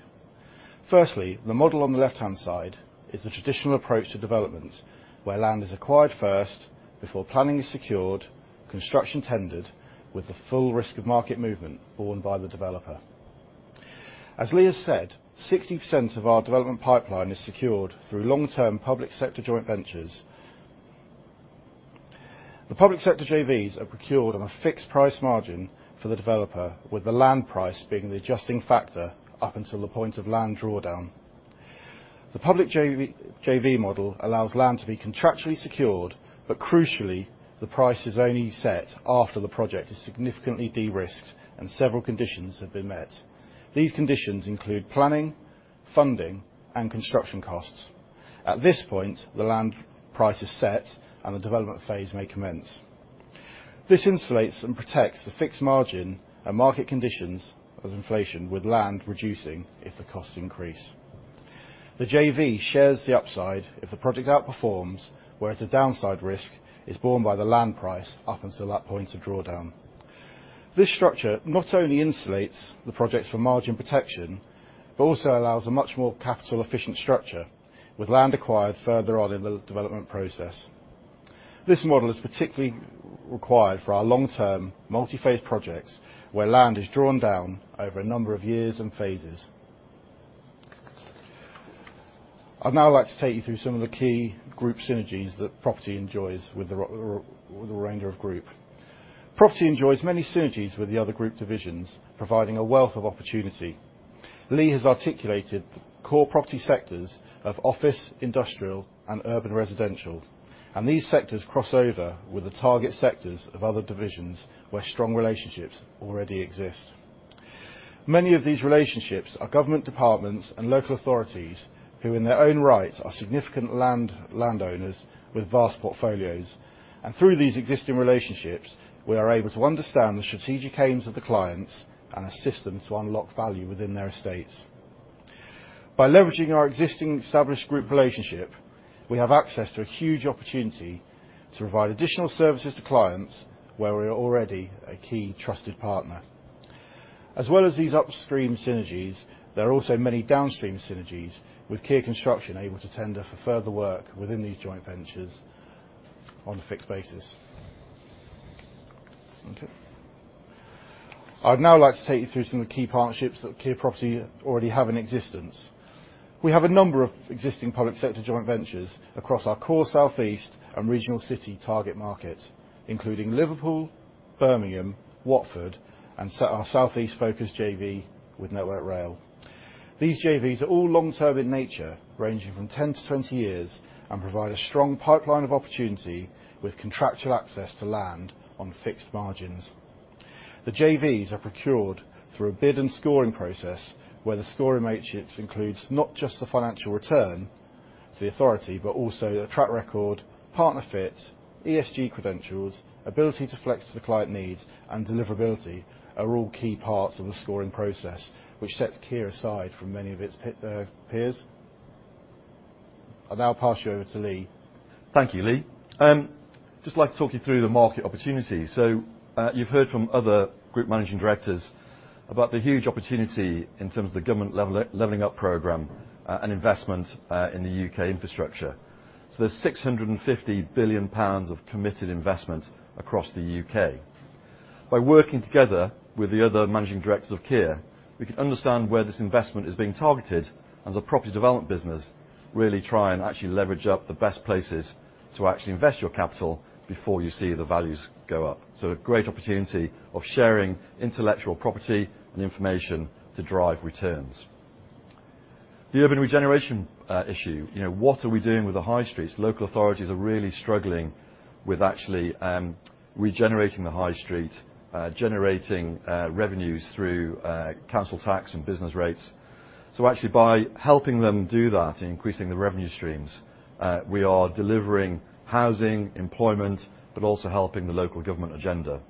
Firstly, the model on the left-hand side is the traditional approach to development, where land is acquired first before planning is secured, construction tendered, with the full risk of market movement borne by the developer. As Leigh has said, 60% of our development pipeline is secured through long-term public sector joint ventures. The public sector JVs are procured on a fixed price margin for the developer, with the land price being the adjusting factor up until the point of land drawdown. The public JV model allows land to be contractually secured, but crucially, the price is only set after the project is significantly de-risked and several conditions have been met. These conditions include planning, funding, and construction costs. At this point, the land price is set and the development phase may commence. This insulates and protects the fixed margin and market conditions as inflation with land reducing if the costs increase. The JV shares the upside if the project outperforms, whereas the downside risk is borne by the land price up until that point of drawdown. This structure not only insulates the projects for margin protection, but also allows a much more capital-efficient structure, with land acquired further on in the development process. This model is particularly required for our long-term, multi-phase projects, where land is drawn down over a number of years and phases. I'd now like to take you through some of the key group synergies that property enjoys with the remainder of group. Property enjoys many synergies with the other group divisions, providing a wealth of opportunity. Leigh has articulated the core property sectors of office, industrial, and urban residential, and these sectors cross over with the target sectors of other divisions where strong relationships already exist. Many of these relationships are government departments and local authorities who in their own right are significant landowners with vast portfolios. Through these existing relationships, we are able to understand the strategic aims of the clients and assist them to unlock value within their estates. By leveraging our existing established group relationship, we have access to a huge opportunity to provide additional services to clients where we are already a key trusted partner. As well as these upstream synergies, there are also many downstream synergies with Kier Construction able to tender for further work within these joint ventures on a fixed basis. Okay. I'd now like to take you through some of the key partnerships that Kier Property already have in existence. We have a number of existing public sector joint ventures across our core South East and regional city target market, including Liverpool, Birmingham, Watford, and our South East-focused JV with Network Rail. These JVs are all long-term in nature, ranging from 10 to 20 years, and provide a strong pipeline of opportunity with contractual access to land on fixed margins. The JVs are procured through a bid and scoring process where the scoring matrix includes not just the financial return to the authority, but also their track record, partner fit, ESG credentials, ability to flex to the client needs, and deliverability, are all key parts of the scoring process, which sets Kier aside from many of its peers. I'll now pass you over to Leigh.
Thank you, Lee. Just like to talk you through the market opportunity. You've heard from other group managing directors about the huge opportunity in terms of the government Levelling Up program, and investment, in the U.K. infrastructure. There's 650 billion pounds of committed investment across the U.K. By working together with the other managing directors of Kier, we can understand where this investment is being targeted, and as a property development business, really try and actually leverage up the best places to actually invest your capital before you see the values go up. A great opportunity of sharing intellectual property and information to drive returns. The urban regeneration issue, you know, what are we doing with the high streets? Local authorities are really struggling with actually regenerating the high street, generating revenues through council tax and business rates. Actually, by helping them do that and increasing the revenue streams, we are delivering housing, employment, but also helping the local government agenda.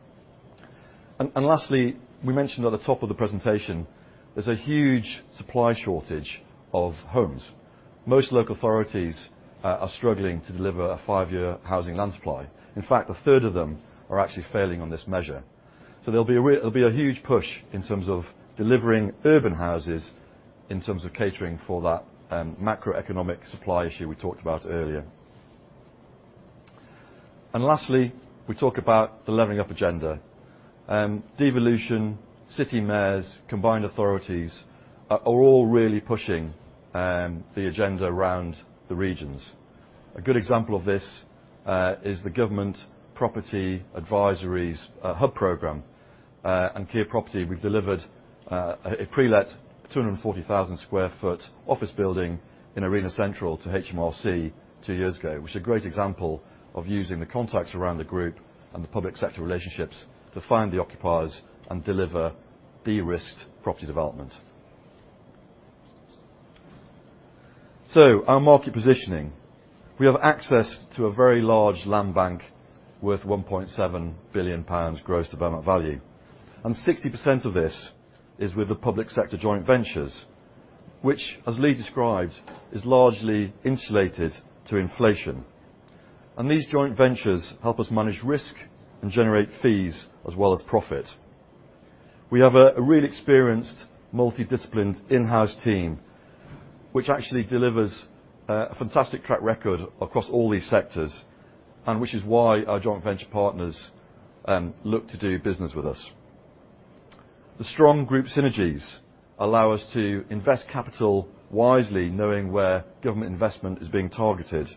Lastly, we mentioned at the top of the presentation, there's a huge supply shortage of homes. Most local authorities are struggling to deliver a five-year housing land supply. In fact, a third of them are actually failing on this measure. There'll be a huge push in terms of delivering urban houses, in terms of catering for that macroeconomic supply issue we talked about earlier. Lastly, we talk about the Levelling Up agenda. Devolution, city mayors, combined authorities are all really pushing the agenda around the regions. A good example of this is the government property advisories hub programme. Kier Property, we delivered a pre-let 240,000 sq ft office building in Arena Central to HMRC two years ago, which is a great example of using the contacts around the group and the public sector relationships to find the occupiers and deliver de-risked property development. Our market positioning. We have access to a very large land bank worth 1.7 billion pounds gross development value, and 60% of this is with the public sector joint ventures, which, as Lee described, is largely insulated to inflation. These joint ventures help us manage risk and generate fees as well as profit. We have a really experienced multidisciplinary in-house team, which actually delivers a fantastic track record across all these sectors and which is why our joint venture partners look to do business with us. The strong group synergies allow us to invest capital wisely, knowing where government investment is being targeted,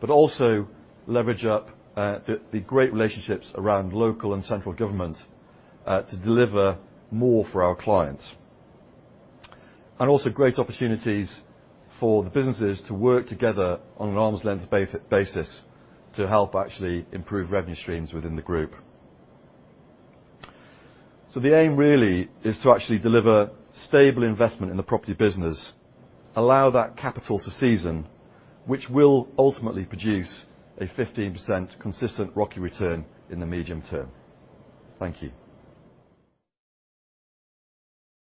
but also leverage up the great relationships around local and central government to deliver more for our clients. Also great opportunities for the businesses to work together on an arm's length basis to help actually improve revenue streams within the group. The aim really is to actually deliver stable investment in the property business, allow that capital to season, which will ultimately produce a 15% consistent ROCE return in the medium term. Thank you.